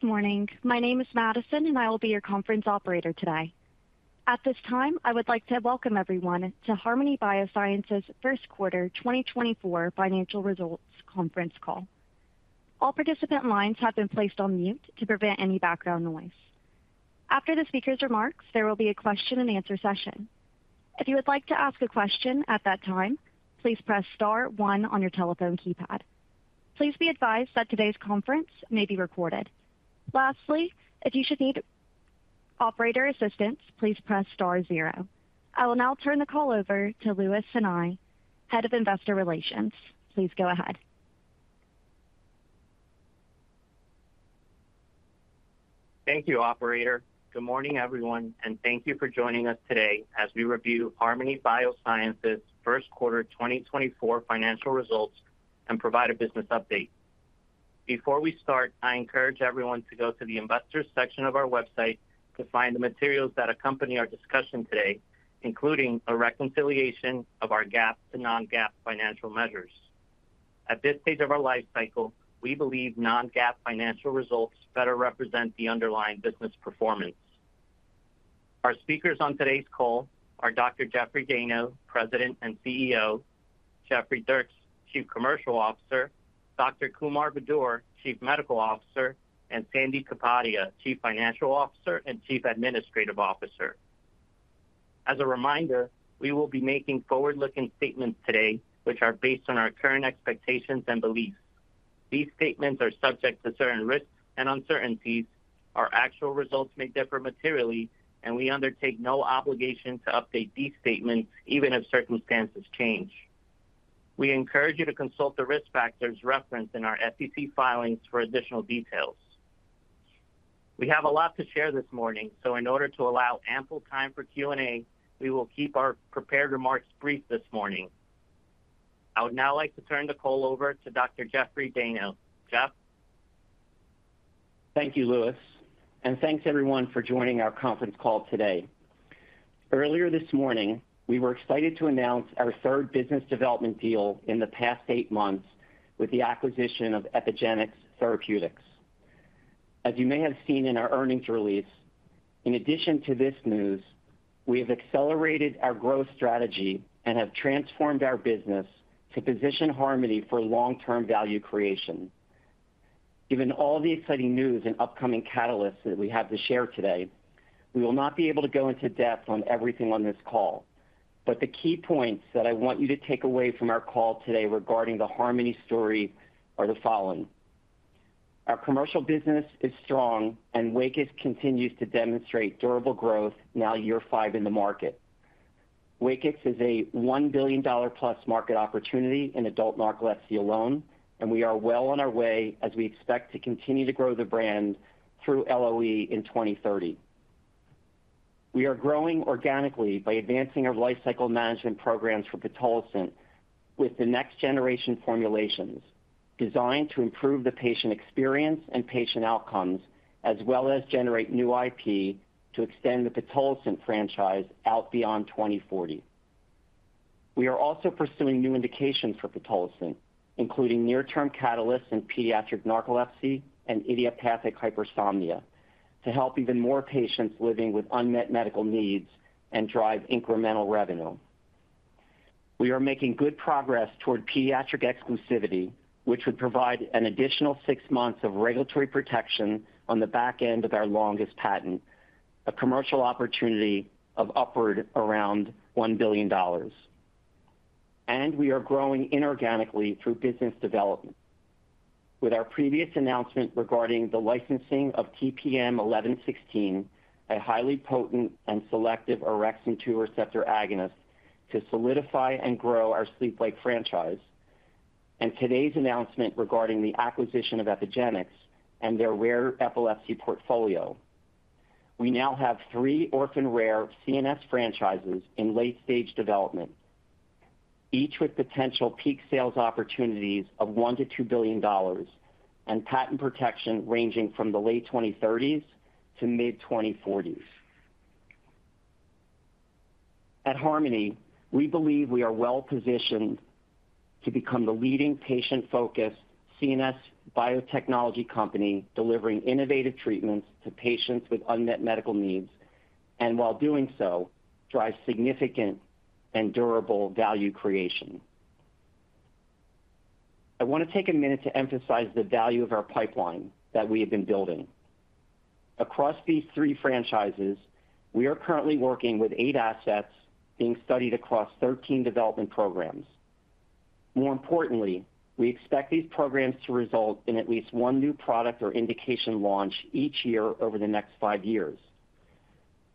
Good morning. My name is Madison, and I will be your conference operator today. At this time, I would like to Welcome everyone to Harmony Biosciences' Q1 2024 Financial Results Conference Call. All participant lines have been placed on mute to prevent any background noise. After the speaker's remarks, there will be a question-and-answer session. If you would like to ask a question at that time, please press star One on your telephone keypad. Please be advised that today's conference may be recorded. Lastly, if you should need operator assistance, please press star 0. I will now turn the call over to Luis Sanay, Head of Investor Relations. Please go ahead. Thank you, operator. Good morning, everyone, and thank you for joining us today as we review Harmony Biosciences' Q1 2024 financial results and provide a business update. Before we start, I encourage everyone to go to the investors section of our website to find the materials that accompany our discussion today, including a reconciliation of our GAAP-to-non-GAAP financial measures. At this stage of our life cycle, we believe non-GAAP financial results better represent the underlying business performance. Our speakers on today's call are Dr. Jeffrey Dayno, President and CEO; Jeffrey Dierks, Chief Commercial Officer; Dr. Kumar Budur, Chief Medical Officer; and Sandip Kapadia, Chief Financial Officer and Chief Administrative Officer. As a reminder, we will be making forward-looking statements today, which are based on our current expectations and beliefs. These statements are subject to certain risks and uncertainties. Our actual results may differ materially, and we undertake no obligation to update these statements even if circumstances change. We encourage you to consult the risk factors referenced in our SEC filings for additional details. We have a lot to share this morning, so in order to allow ample time for Q&A, we will keep our prepared remarks brief this morning. I would now like to turn the call over to Dr. Jeffrey Dayno. Jeff? Thank you, Luis, and thanks everyone for joining our conference call today. Earlier this morning, we were excited to announce our third business development deal in the past eight months with the acquisition of Epygenix Therapeutics. As you may have seen in our earnings release, in addition to this news, we have accelerated our growth strategy and have transformed our business to position Harmony for long-term value creation. Given all the exciting news and upcoming catalysts that we have to share today, we will not be able to go into depth on everything on this call, but the key points that I want you to take away from our call today regarding the Harmony story are the following: our commercial business is strong, and WAKIX continues to demonstrate durable growth now year five in the market. WAKIX is a $1 billion-plus market opportunity in adult narcolepsy alone, and we are well on our way as we expect to continue to grow the brand through LOE in 2030. We are growing organically by advancing our life cycle management programs for pitolisant with the next-generation formulations designed to improve the patient experience and patient outcomes, as well as generate new IP to extend the pitolisant franchise out beyond 2040. We are also pursuing new indications for pitolisant, including near-term catalysts in pediatric narcolepsy and idiopathic hypersomnia, to help even more patients living with unmet medical needs and drive incremental revenue. We are making good progress toward pediatric exclusivity, which would provide an additional six months of regulatory protection on the back end of our longest patent, a commercial opportunity of upward around $1 billion. We are growing inorganically through business development. With our previous announcement regarding the licensing of TPM-1116, a highly potent and selective orexin-2 receptor agonist, to solidify and grow our sleep-like franchise, and today's announcement regarding the acquisition of Epygenix and their rare epilepsy portfolio, we now have three orphan-rare CNS franchises in late-stage development, each with potential peak sales opportunities of $1-$2 billion and patent protection ranging from the late 2030s to mid-2040s. At Harmony, we believe we are well positioned to become the leading patient-focused CNS biotechnology company delivering innovative treatments to patients with unmet medical needs and, while doing so, drive significant and durable value creation. I want to take a minute to emphasize the value of our pipeline that we have been building. Across these three franchises, we are currently working with eight assets being studied across 13 development programs. More importantly, we expect these programs to result in at least one new product or indication launch each year over the next five years.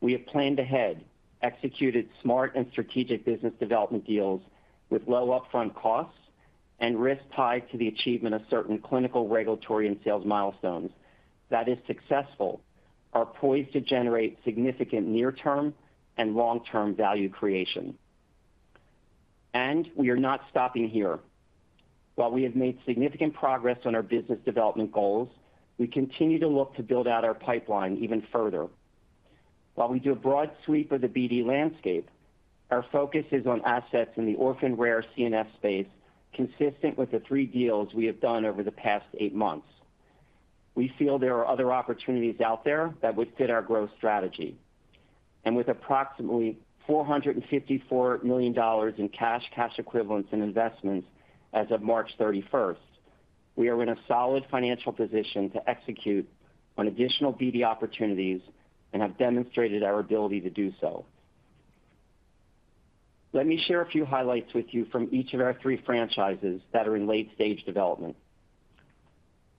We have planned ahead, executed smart and strategic business development deals with low upfront costs and risks tied to the achievement of certain clinical, regulatory, and sales milestones that, if successful, are poised to generate significant near-term and long-term value creation. And we are not stopping here. While we have made significant progress on our business development goals, we continue to look to build out our pipeline even further. While we do a broad sweep of the BD landscape, our focus is on assets in the orphan-rare CNS space consistent with the three deals we have done over the past eight months. We feel there are other opportunities out there that would fit our growth strategy. With approximately $454 million in cash and cash equivalents in investments as of March 31st, we are in a solid financial position to execute on additional BD opportunities and have demonstrated our ability to do so. Let me share a few highlights with you from each of our three franchises that are in late-stage development.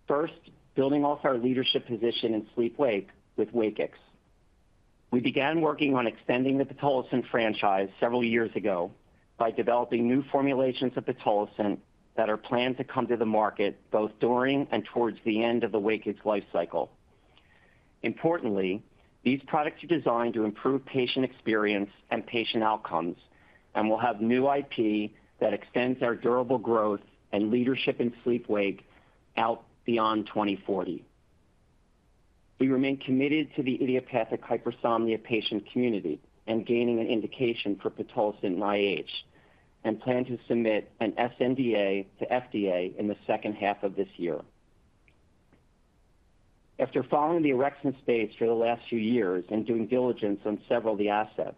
First, building off our leadership position in sleep-wake with WAKIX. We began working on extending the pitolisant franchise several years ago by developing new formulations of pitolisant that are planned to come to the market both during and towards the end of the WAKIX life cycle. Importantly, these products are designed to improve patient experience and patient outcomes and will have new IP that extends our durable growth and leadership in sleep-wake out beyond 2040. We remain committed to the idiopathic hypersomnia patient community and gaining an indication for pitolisant in IH, and plan to submit an SNDA to FDA in the second half of this year. After following the orexin space for the last few years and doing diligence on several of the assets,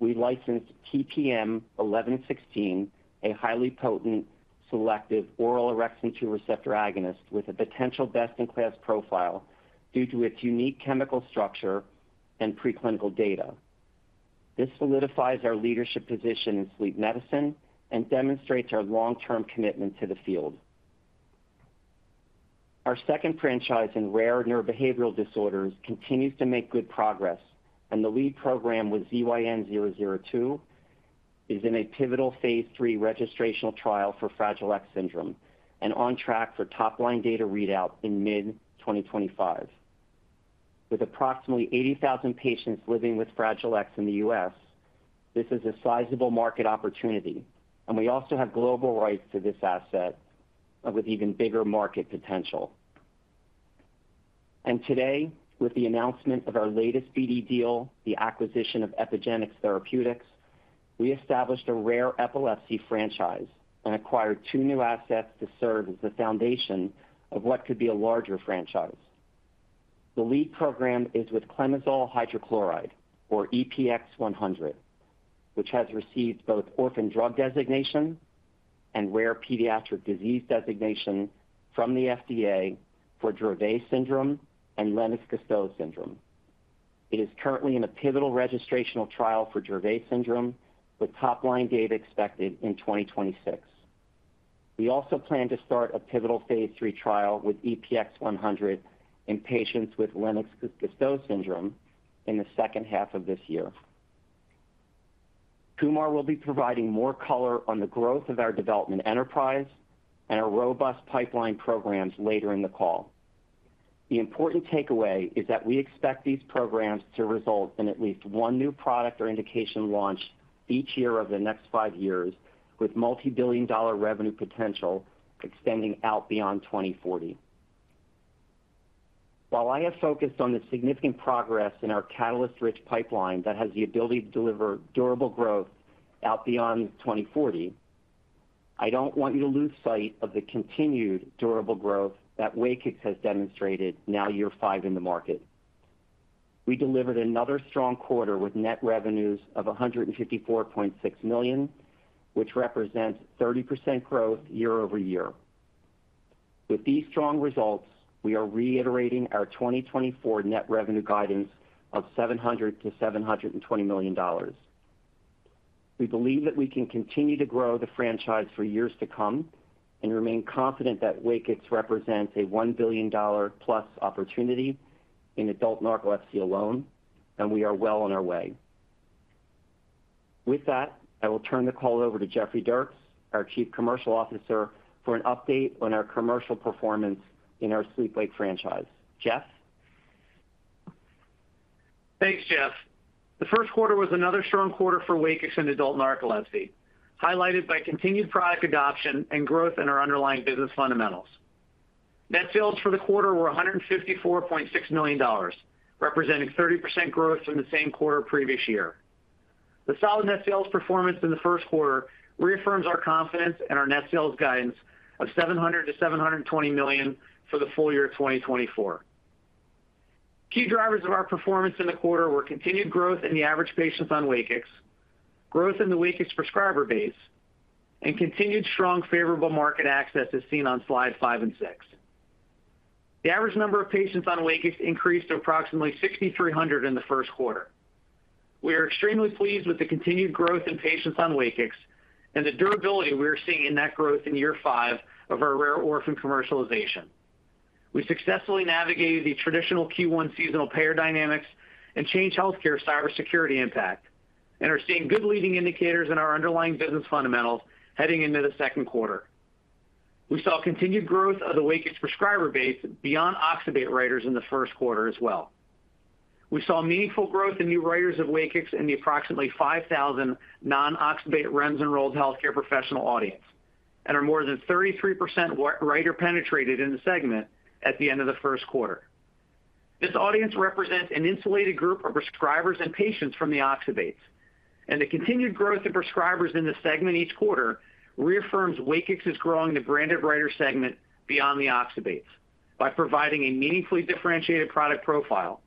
we licensed TPM-1116, a highly potent, selective oral orexin-2 receptor agonist with a potential best-in-class profile due to its unique chemical structure and preclinical data. This solidifies our leadership position in sleep medicine and demonstrates our long-term commitment to the field. Our second franchise in rare neurobehavioral disorders continues to make good progress, and the lead program with ZYN-002 is in a pivotal phase III registrational trial for Fragile X syndrome and on track for top-line data readout in mid-2025. With approximately 80,000 patients living with Fragile X in the US, this is a sizable market opportunity, and we also have global rights to this asset with even bigger market potential. Today, with the announcement of our latest BD deal, the acquisition of Epygenix Therapeutics, we established a rare epilepsy franchise and acquired two new assets to serve as the foundation of what could be a larger franchise. The lead program is with clemizole hydrochloride, or EPX-100, which has received both orphan drug designation and rare pediatric disease designation from the FDA for Dravet syndrome and Lennox-Gastaut syndrome. It is currently in a pivotal registrational trial for Dravet syndrome with top-line data expected in 2026. We also plan to start a pivotal phase III trial with EPX-100 in patients with Lennox-Gastaut syndrome in the second half of this year. Kumar will be providing more color on the growth of our development enterprise and our robust pipeline programs later in the call. The important takeaway is that we expect these programs to result in at least one new product or indication launch each year over the next five years with multi-billion dollar revenue potential extending out beyond 2040. While I have focused on the significant progress in our catalyst-rich pipeline that has the ability to deliver durable growth out beyond 2040, I don't want you to lose sight of the continued durable growth that WAKIX has demonstrated now year five in the market. We delivered another strong quarter with net revenues of $154.6 million, which represents 30% growth year over year. With these strong results, we are reiterating our 2024 net revenue guidance of $700-$720 million. We believe that we can continue to grow the franchise for years to come and remain confident that WAKIX represents a $1 billion-plus opportunity in adult narcolepsy alone, and we are well on our way. With that, I will turn the call over to Jeffrey Dierks, our Chief Commercial Officer, for an update on our commercial performance in our sleep-wake franchise. Jeff? Thanks, Jeff. The Q1 was another strong quarter for WAKIX in adult narcolepsy, highlighted by continued product adoption and growth in our underlying business fundamentals. Net sales for the quarter were $154.6 million, representing 30% growth from the same quarter previous year. The solid net sales performance in the Q1 reaffirms our confidence in our net sales guidance of $700-$720 million for the full year of 2024. Key drivers of our performance in the quarter were continued growth in the average patients on WAKIX, growth in the WAKIX prescriber base, and continued strong favorable market access as seen on slides five and six. The average number of patients on WAKIX increased to approximately 6,300 in the Q1. We are extremely pleased with the continued growth in patients on WAKIX and the durability we are seeing in that growth in year 5 of our rare orphan commercialization. We successfully navigated the traditional Q1 seasonal payer dynamics and Change Healthcare cybersecurity impact, and are seeing good leading indicators in our underlying business fundamentals heading into the Q2. We saw continued growth of the WAKIX prescriber base beyond oxybate writers in the Q1 as well. We saw meaningful growth in new writers of WAKIX in the approximately 5,000 non-oxybate REMS-enrolled healthcare professional audience and are more than 33% writer-penetrated in the segment at the end of the Q1. This audience represents an insulated group of prescribers and patients from the oxybates, and the continued growth in prescribers in the segment each quarter reaffirms WAKIX is growing the branded narcolepsy segment beyond the oxybates by providing a meaningfully differentiated product profile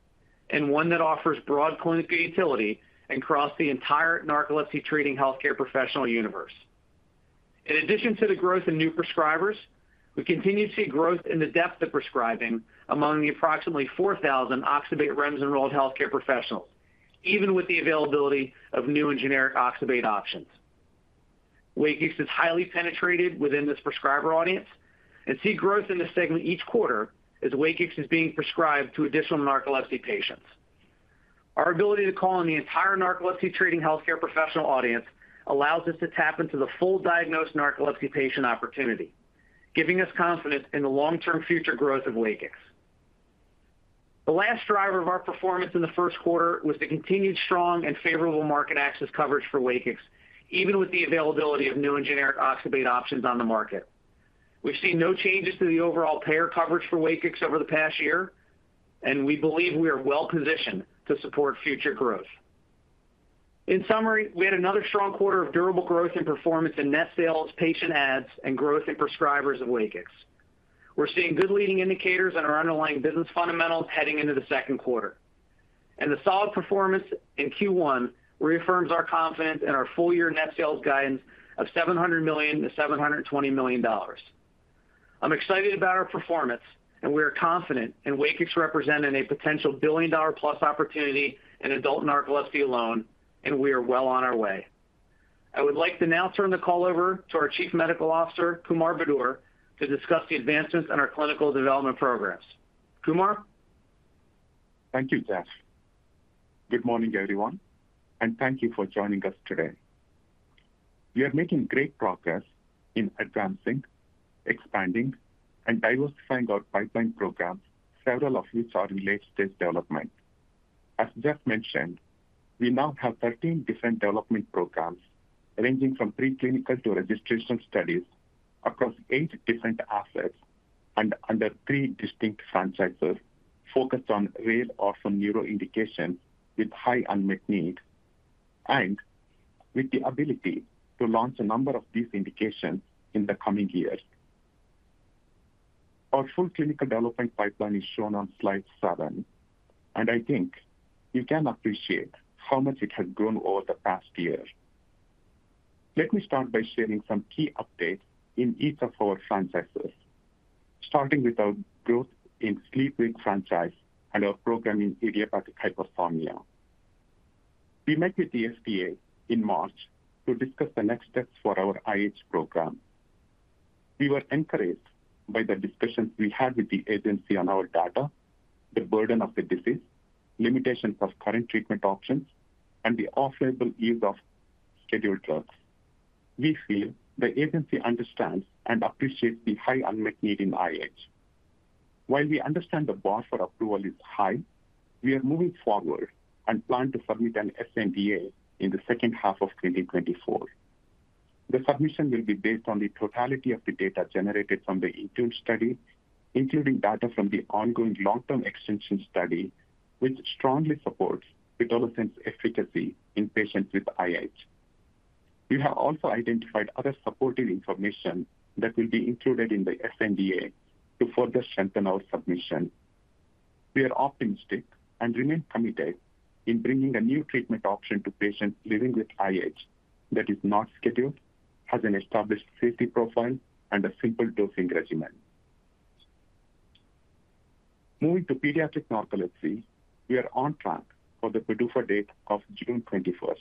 and one that offers broad clinical utility across the entire narcolepsy treating healthcare professional universe. In addition to the growth in new prescribers, we continue to see growth in the depth of prescribing among the approximately 4,000 oxybate REMS-enrolled healthcare professionals, even with the availability of new and generic oxybate options. WAKIX is highly penetrated within this prescriber audience and see growth in the segment each quarter as WAKIX is being prescribed to additional narcolepsy patients. Our ability to call in the entire narcolepsy treating healthcare professional audience allows us to tap into the full diagnosed narcolepsy patient opportunity, giving us confidence in the long-term future growth of WAKIX. The last driver of our performance in the Q1 was the continued strong and favorable market access coverage for WAKIX, even with the availability of new and generic oxybate options on the market. We've seen no changes to the overall payer coverage for WAKIX over the past year, and we believe we are well positioned to support future growth. In summary, we had another strong quarter of durable growth in performance in net sales, patient adds, and growth in prescribers of WAKIX. We're seeing good leading indicators on our underlying business fundamentals heading into the Q2, and the solid performance in Q1 reaffirms our confidence in our full-year net sales guidance of $700 million-$720 million. I'm excited about our performance, and we are confident in WAKIX representing a potential billion-dollar-plus opportunity in adult narcolepsy alone, and we are well on our way. I would like to now turn the call over to our Chief Medical Officer, Kumar Budur, to discuss the advancements in our clinical development programs. Kumar? Thank you, Jeff. Good morning, everyone, and thank you for joining us today. We are making great progress in advancing, expanding, and diversifying our pipeline programs, several of which are in late-stage development. As Jeff mentioned, we now have 13 different development programs ranging from preclinical to registration studies across 8 different assets and under 3 distinct franchises focused on rare orphan neuroindications with high unmet needs and with the ability to launch a number of these indications in the coming years. Our full clinical development pipeline is shown on slide 7, and I think you can appreciate how much it has grown over the past year. Let me start by sharing some key updates in each of our franchises, starting with our growth in sleep-wake franchise and our program in idiopathic hypersomnia. We met with the FDA in March to discuss the next steps for our IH program. We were encouraged by the discussions we had with the agency on our data, the burden of the disease, limitations of current treatment options, and the off-label use of scheduled drugs. We feel the agency understands and appreciates the high unmet need in IH. While we understand the bar for approval is high, we are moving forward and plan to submit an SNDA in the second half of 2024. The submission will be based on the totality of the data generated from the Intune study, including data from the ongoing long-term extension study, which strongly supports pitolisant's efficacy in patients with IH. We have also identified other supporting information that will be included in the SNDA to further strengthen our submission. We are optimistic and remain committed in bringing a new treatment option to patients living with IH that is not scheduled, has an established safety profile, and a simple dosing regimen. Moving to pediatric narcolepsy, we are on track for the PDUFA date of June 21st.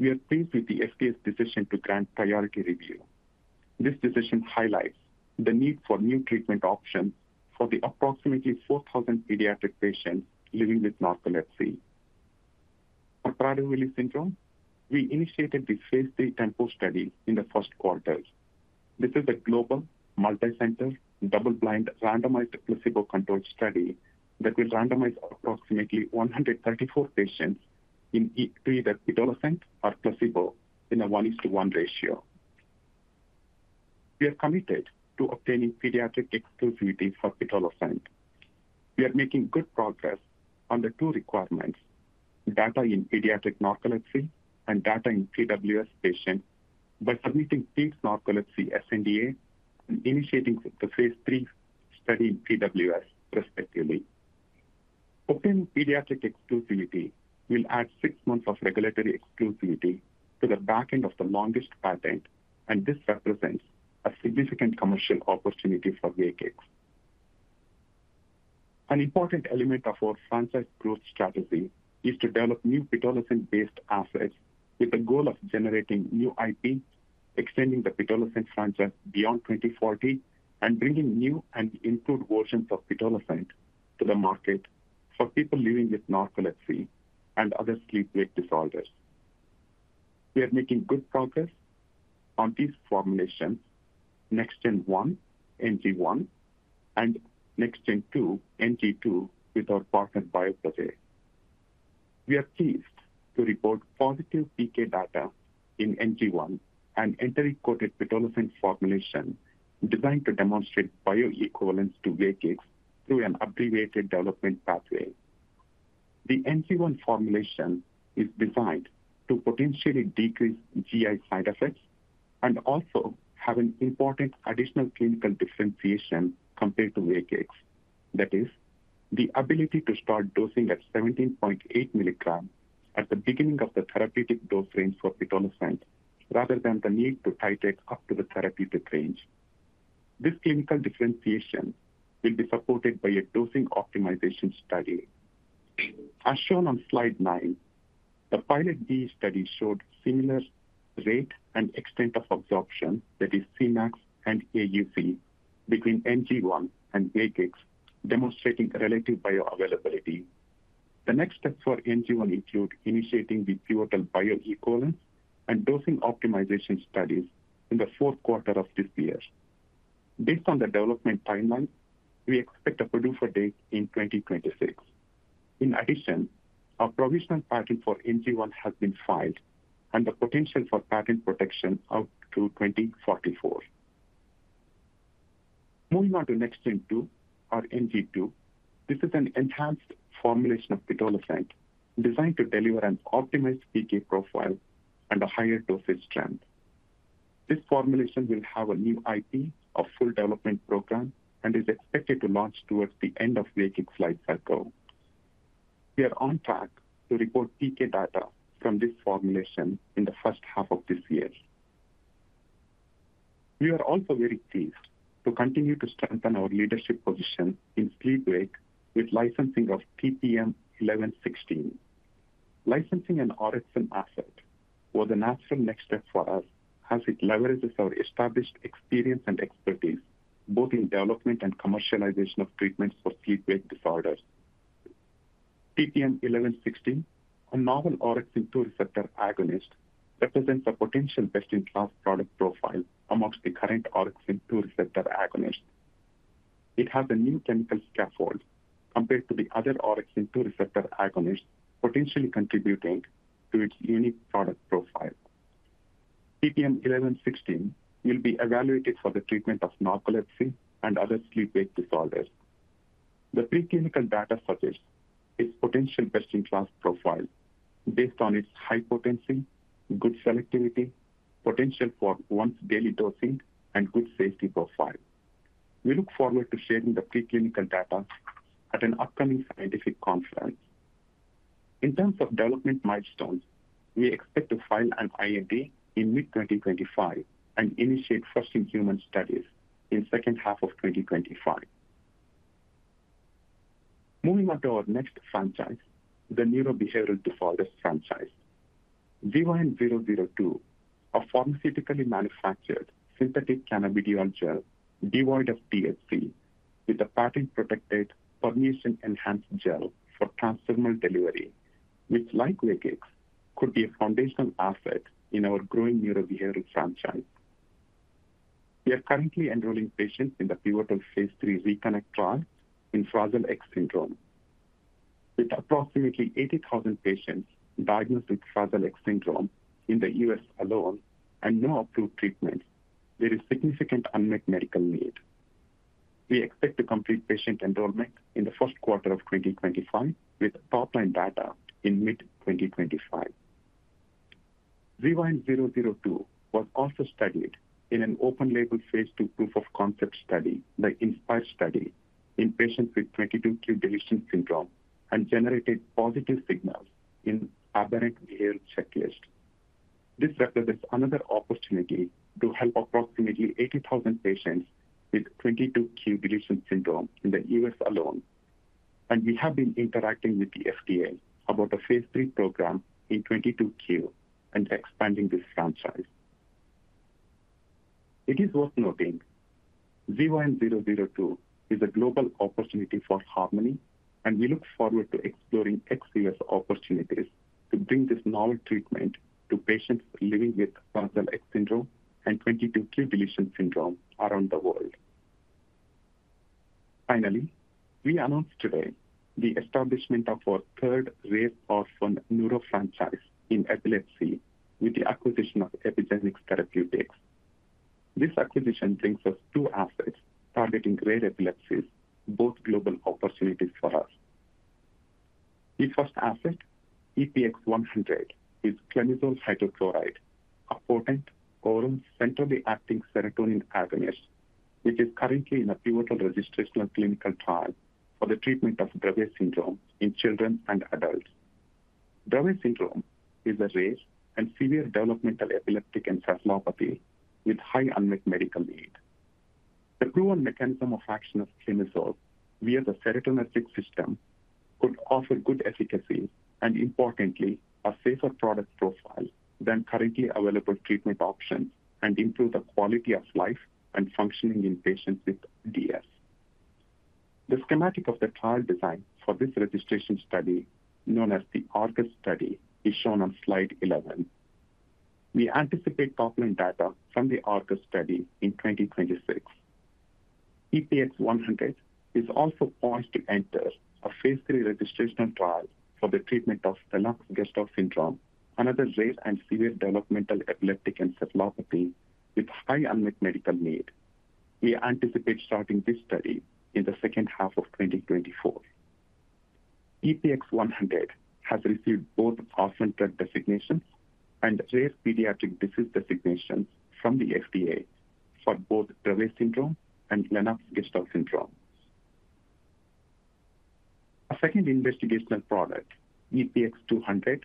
We are pleased with the FDA's decision to grant priority review. This decision highlights the need for new treatment options for the approximately 4,000 pediatric patients living with narcolepsy. For Prader-Willi syndrome, we initiated this phase III Tempo study in the Q1. This is a global, multi-center double-blind randomized placebo-controlled study that will randomize approximately 134 patients in either pitolisant or placebo in a 1:1 ratio. We are committed to obtaining pediatric exclusivity for pitolisant. We are making good progress on the two requirements: data in pediatric narcolepsy and data in PWS patients by submitting pediatric narcolepsy SNDA and initiating the phase III study in PWS, respectively. Obtaining pediatric exclusivity will add 6 months of regulatory exclusivity to the backend of the longest patent, and this represents a significant commercial opportunity for WAKIX. An important element of our franchise growth strategy is to develop new pitolisant-based assets with the goal of generating new IP, extending the pitolisant franchise beyond 2040, and bringing new and improved versions of pitolisant to the market for people living with narcolepsy and other sleep-wake disorders. We are making good progress on these formulations, NextGen-1 NG1 and NextGen-2 NG2, with our partner, Bioprojet. We are pleased to report positive PK data in NG1 and enteric-coated pitolisant formulation designed to demonstrate bioequivalence to WAKIX through an abbreviated development pathway. The NG1 formulation is designed to potentially decrease GI side effects and also have an important additional clinical differentiation compared to WAKIX. That is, the ability to start dosing at 17.8 milligrams at the beginning of the therapeutic dose range for pitolisant rather than the need to titrate up to the therapeutic range. This clinical differentiation will be supported by a dosing optimization study. As shown on slide 9, the pilot B study showed similar rate and extent of absorption, that is, CMAX and AUC, between NG1 and WAKIX, demonstrating relative bioavailability. The next steps for NG1 include initiating the pivotal bioequivalence and dosing optimization studies in the Q4 of this year. Based on the development timeline, we expect a PDUFA date in 2026. In addition, a provisional patent for NG1 has been filed and the potential for patent protection out to 2044. Moving on to NextGen-2 or NG2, this is an enhanced formulation of pitolisant designed to deliver an optimized PK profile and a higher dosage strength. This formulation will have a new IP and full development program and is expected to launch towards the end of WAKIX life cycle. We are on track to report PK data from this formulation in the first half of this year. We are also very pleased to continue to strengthen our leadership position in sleep-wake with licensing of TPM-1116. Licensing an orexin asset was a natural next step for us as it leverages our established experience and expertise both in development and commercialization of treatments for sleep-wake disorders. TPM-1116, a novel orexin-2 receptor agonist, represents a potential best-in-class product profile amongst the current orexin-2 receptor agonists. It has a new chemical scaffold compared to the other orexin-2 receptor agonists, potentially contributing to its unique product profile. TPM-1116 will be evaluated for the treatment of narcolepsy and other sleep-wake disorders. The preclinical data suggests its potential best-in-class profile based on its high potency, good selectivity, potential for once-daily dosing, and good safety profile. We look forward to sharing the preclinical data at an upcoming scientific conference. In terms of development milestones, we expect to file an IND in mid-2025 and initiate first-in-human studies in the second half of 2025. Moving on to our next franchise, the neurobehavioral disorders franchise, ZYN-002, a pharmaceutically manufactured synthetic cannabidiol gel, devoid of THC, with a patent-protected permeation-enhanced gel for transdermal delivery, which, like WAKIX, could be a foundational asset in our growing neurobehavioral franchise. We are currently enrolling patients in the pivotal phase III ReConnect trial in Fragile X syndrome. With approximately 80,000 patients diagnosed with Fragile X syndrome in the U.S. alone and no approved treatments, there is significant unmet medical need. We expect to complete patient enrollment in the Q1 of 2025 with top-line data in mid-2025. ZYN-002 was also studied in an open-label phase II proof of concept study, the INSPIRE study, in patients with 22q deletion syndrome and generated positive signals in aberrant behavioral checklists. This represents another opportunity to help approximately 80,000 patients with 22q deletion syndrome in the U.S. alone, and we have been interacting with the FDA about a phase III program in 22q and expanding this franchise. It is worth noting, ZYN-002 is a global opportunity for Harmony, and we look forward to exploring ex-US opportunities to bring this novel treatment to patients living with Fragile X syndrome and 22q deletion syndrome around the world. Finally, we announced today the establishment of our third rare orphan neuro franchise in epilepsy with the acquisition of Epygenix Therapeutics. This acquisition brings us two assets targeting rare epilepsies, both global opportunities for us. The first asset, EPX-100, is clemizole hydrochloride, a potent oral centrally acting serotonin agonist, which is currently in a pivotal registration and clinical trial for the treatment of Dravet syndrome in children and adults. Dravet syndrome is a rare and severe developmental epileptic encephalopathy with high unmet medical need. The proven mechanism of action of clemizole via the serotonergic system could offer good efficacy and, importantly, a safer product profile than currently available treatment options and improve the quality of life and functioning in patients with DS. The schematic of the trial design for this registration study, known as the Argus study, is shown on slide 11. We anticipate top-line data from the Argus study in 2026. EPX-100 is also poised to enter a phase III registration trial for the treatment of Lennox-Gastaut syndrome, another rare and severe developmental epileptic encephalopathy with high unmet medical need. We anticipate starting this study in the second half of 2024. EPX-100 has received both orphan drug designations and rare pediatric disease designations from the FDA for both Dravet syndrome and Lennox-Gastaut syndrome. A second investigational product, EPX-200,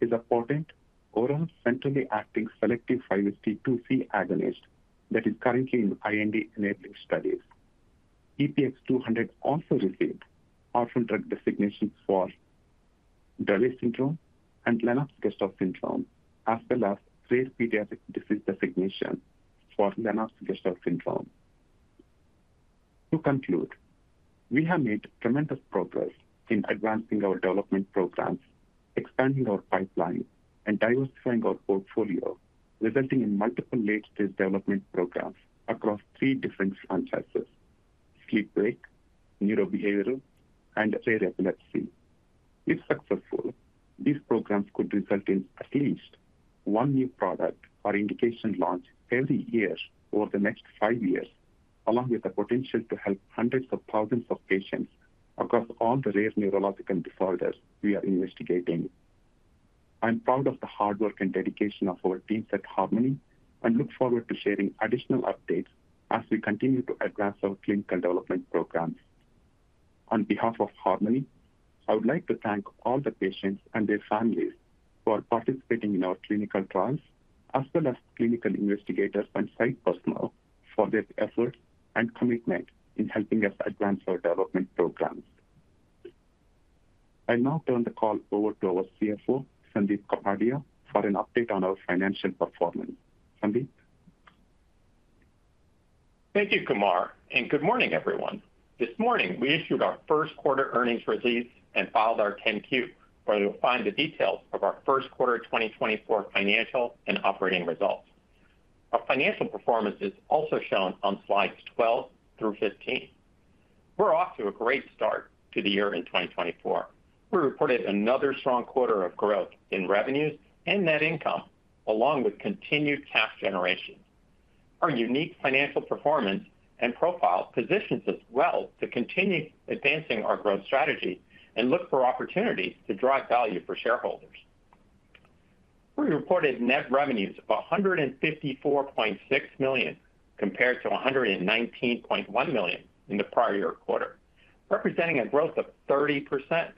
is a potent oral centrally acting selective 5-HT2C agonist that is currently in IND-enabling studies. EPX-200 also received orphan drug designations for Dravet syndrome and Lennox-Gastaut syndrome, as well as rare pediatric disease designations for Lennox-Gastaut syndrome. To conclude, we have made tremendous progress in advancing our development programs, expanding our pipeline, and diversifying our portfolio, resulting in multiple late-stage development programs across three different franchises: sleep-wake, neurobehavioral, and rare epilepsy. If successful, these programs could result in at least one new product or indication launch every year over the next five years, along with the potential to help hundreds of thousands of patients across all the rare neurological disorders we are investigating. I'm proud of the hard work and dedication of our teams at Harmony and look forward to sharing additional updates as we continue to advance our clinical development programs. On behalf of Harmony, I would like to thank all the patients and their families for participating in our clinical trials, as well as clinical investigators and site personnel for their efforts and commitment in helping us advance our development programs. I'll now turn the call over to our CFO, Sandip Kapadia, for an update on our financial performance. Sandip? Thank you, Kumar, and good morning, everyone. This morning, we issued our Q1 earnings release and filed our 10-Q, where you'll find the details of our Q1 2024 financial and operating results. Our financial performance is also shown on slides 12 through 15. We're off to a great start to the year in 2024. We reported another strong quarter of growth in revenues and net income, along with continued cash generation. Our unique financial performance and profile positions us well to continue advancing our growth strategy and look for opportunities to drive value for shareholders. We reported net revenues of $154.6 million compared to $119.1 million in the prior year quarter, representing a growth of 30%.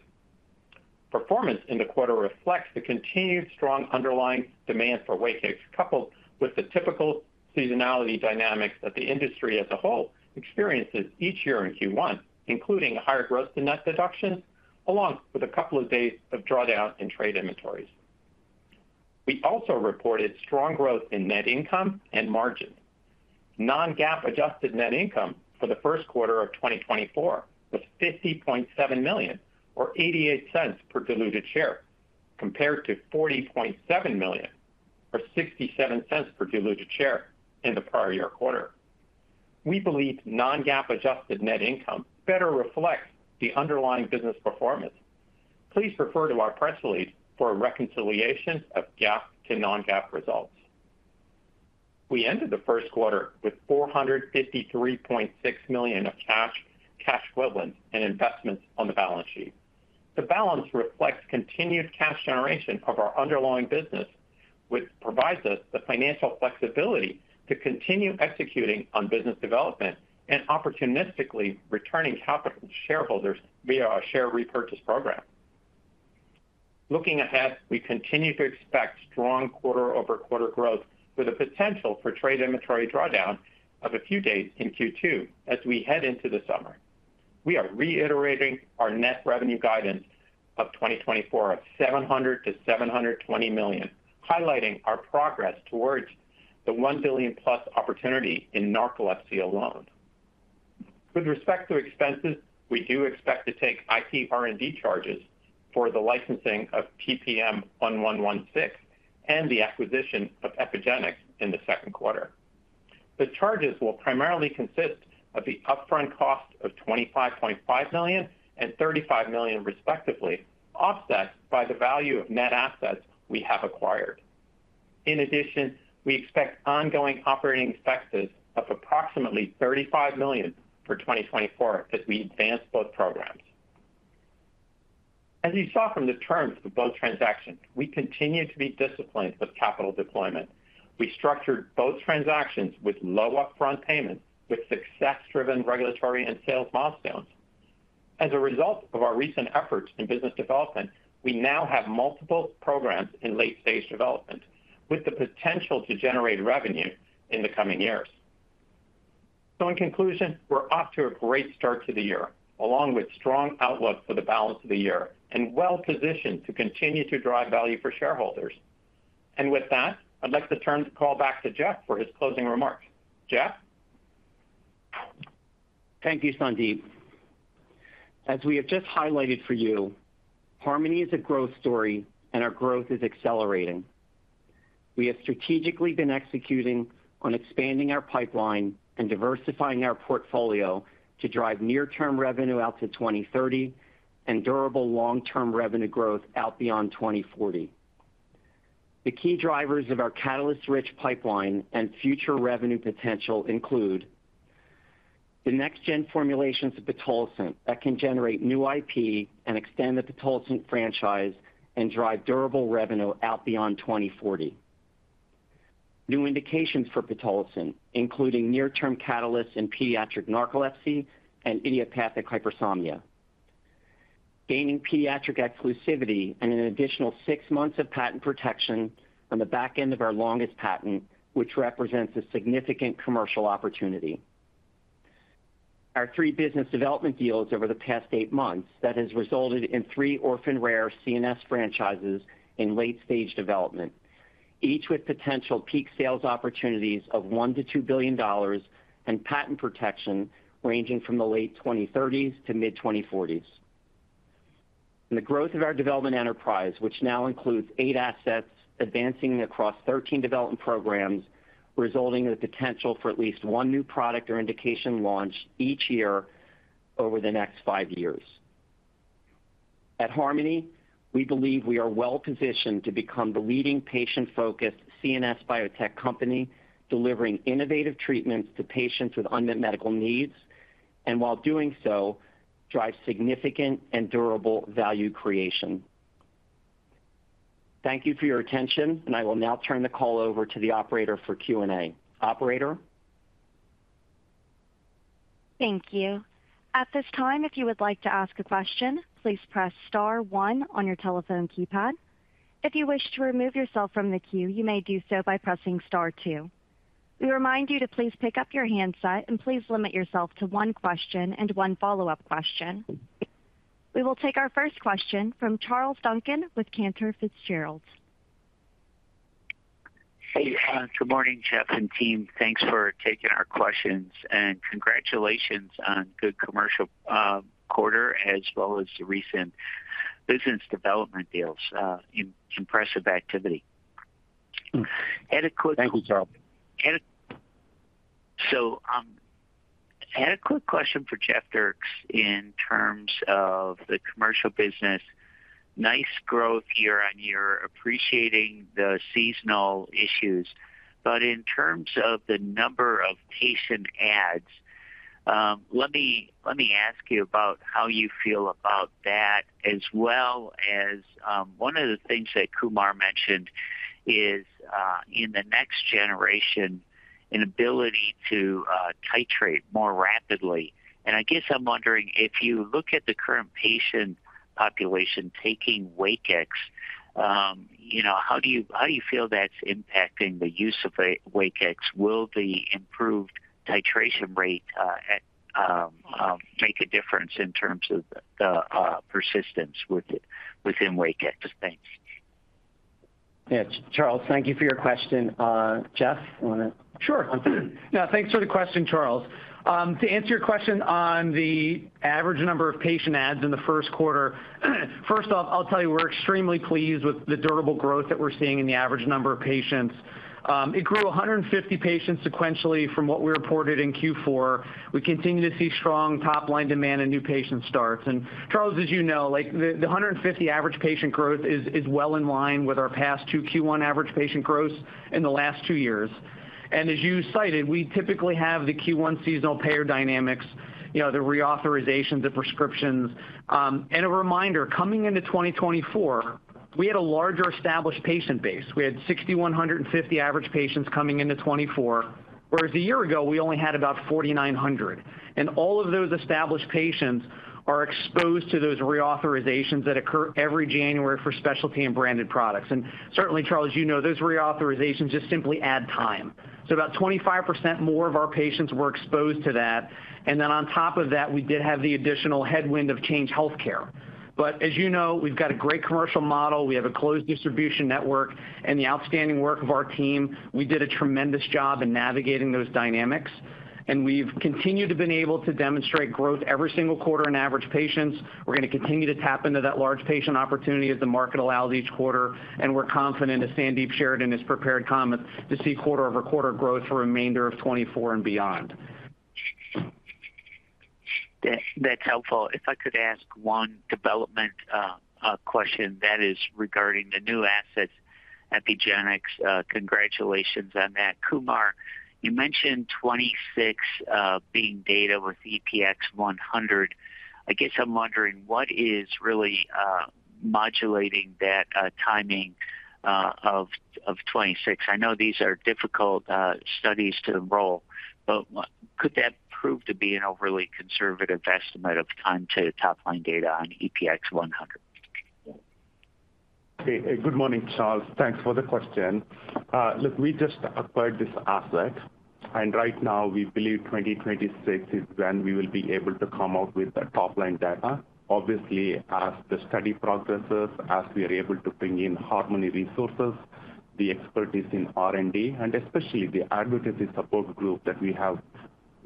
Performance in the quarter reflects the continued strong underlying demand for WAKIX, coupled with the typical seasonality dynamics that the industry as a whole experiences each year in Q1, including higher growth-to-net deductions, along with a couple of days of drawdown in trade inventories. We also reported strong growth in net income and margins. Non-GAAP-adjusted net income for the Q1 of 2024 was $50.7 million or $0.88 per diluted share, compared to $40.7 million or $0.67 per diluted share in the prior year quarter. We believe non-GAAP-adjusted net income better reflects the underlying business performance. Please refer to our press release for a reconciliation of GAAP to non-GAAP results. We ended the Q1 with $453.6 million of cash equivalents and investments on the balance sheet. The balance reflects continued cash generation of our underlying business, which provides us the financial flexibility to continue executing on business development and opportunistically returning capital to shareholders via our share repurchase program. Looking ahead, we continue to expect strong quarter-over-quarter growth with a potential for trade inventory drawdown of a few days in Q2 as we head into the summer. We are reiterating our net revenue guidance of 2024 of $700 million-$720 million, highlighting our progress towards the $1 billion+ opportunity in narcolepsy alone. With respect to expenses, we do expect to take IPR&D charges for the licensing of TPM-1116 and the acquisition of Epygenix in the Q2. The charges will primarily consist of the upfront cost of $25.5 million and $35 million, respectively, offset by the value of net assets we have acquired. In addition, we expect ongoing operating expenses of approximately $35 million for 2024 as we advance both programs. As you saw from the terms of both transactions, we continue to be disciplined with capital deployment. We structured both transactions with low upfront payments, with success-driven regulatory and sales milestones. As a result of our recent efforts in business development, we now have multiple programs in late-stage development with the potential to generate revenue in the coming years. So, in conclusion, we're off to a great start to the year, along with strong outlook for the balance of the year and well-positioned to continue to drive value for shareholders. And with that, I'd like to turn the call back to Jeff for his closing remarks. Jeff? Thank you, Sandip. As we have just highlighted for you, Harmony is a growth story, and our growth is accelerating. We have strategically been executing on expanding our pipeline and diversifying our portfolio to drive near-term revenue out to 2030 and durable long-term revenue growth out beyond 2040. The key drivers of our catalyst-rich pipeline and future revenue potential include the next-gen formulations of pitolisant that can generate new IP and extend the pitolisant franchise and drive durable revenue out beyond 2040, new indications for pitolisant, including near-term catalysts in pediatric narcolepsy and idiopathic hypersomnia, gaining pediatric exclusivity, and an additional six months of patent protection on the back end of our longest patent, which represents a significant commercial opportunity. Our three business development deals over the past eight months have resulted in three orphan rare CNS franchises in late-stage development, each with potential peak sales opportunities of $1-$2 billion and patent protection ranging from the late 2030s to mid-2040s. The growth of our development enterprise, which now includes eight assets, is advancing across 13 development programs, resulting in the potential for at least one new product or indication launched each year over the next five years. At Harmony, we believe we are well-positioned to become the leading patient-focused CNS biotech company delivering innovative treatments to patients with unmet medical needs and, while doing so, drive significant and durable value creation. Thank you for your attention, and I will now turn the call over to the operator for Q&A. Operator? Thank you. At this time, if you would like to ask a question, please press star one on your telephone keypad. If you wish to remove yourself from the queue, you may do so by pressing star two. We remind you to please pick up your handset and please limit yourself to one question and one follow-up question. We will take our first question from Charles Duncan with Cantor Fitzgerald. Hey, good morning, Jeff and team. Thanks for taking our questions, and congratulations on good commercial quarter as well as recent business development deals, impressive activity. Thank you, Charles. So I had a quick question for Jeff Dierks in terms of the commercial business. Nice growth year-over-year, appreciating the seasonal issues. But in terms of the number of patient adds, let me ask you about how you feel about that, as well as one of the things that Kumar mentioned is in the next generation, an ability to titrate more rapidly. And I guess I'm wondering, if you look at the current patient population taking WAKIX, how do you feel that's impacting the use of WAKIX? Will the improved titration rate make a difference in terms of the persistence within WAKIX? Thanks. Yeah, Charles, thank you for your question. Jeff, you want to? Sure. Yeah, thanks for the question, Charles. To answer your question on the average number of patient adds in the Q1, first off, I'll tell you we're extremely pleased with the durable growth that we're seeing in the average number of patients. It grew 150 patients sequentially from what we reported in Q4. We continue to see strong top-line demand and new patient starts. And Charles, as you know, the 150 average patient growth is well in line with our past 2 Q1 average patient growths in the last 2 years. And as you cited, we typically have the Q1 seasonal payer dynamics, the reauthorizations of prescriptions. And a reminder, coming into 2024, we had a larger established patient base. We had 6,150 average patients coming into 2024, whereas a year ago, we only had about 4,900. All of those established patients are exposed to those reauthorizations that occur every January for specialty and branded products. And certainly, Charles, you know those reauthorizations just simply add time. So about 25% more of our patients were exposed to that. And then on top of that, we did have the additional headwind of Change Healthcare. But as you know, we've got a great commercial model. We have a closed distribution network. And the outstanding work of our team, we did a tremendous job in navigating those dynamics. And we've continued to be able to demonstrate growth every single quarter in average patients. We're going to continue to tap into that large patient opportunity as the market allows each quarter. And we're confident, as Sandip shared in his prepared comments, to see quarter-over-quarter growth for the remainder of 2024 and beyond. That's helpful. If I could ask one development question that is regarding the new assets, Epygenix, congratulations on that. Kumar, you mentioned 2026 being data with EPX-100. I guess I'm wondering, what is really modulating that timing of 2026? I know these are difficult studies to enroll, but could that prove to be an overly conservative estimate of time to top-line data on EPX-100? Good morning, Charles. Thanks for the question. Look, we just acquired this asset. And right now, we believe 2026 is when we will be able to come out with the top-line data, obviously, as the study progresses, as we are able to bring in Harmony resources, the expertise in R&D, and especially the advocacy support group that we have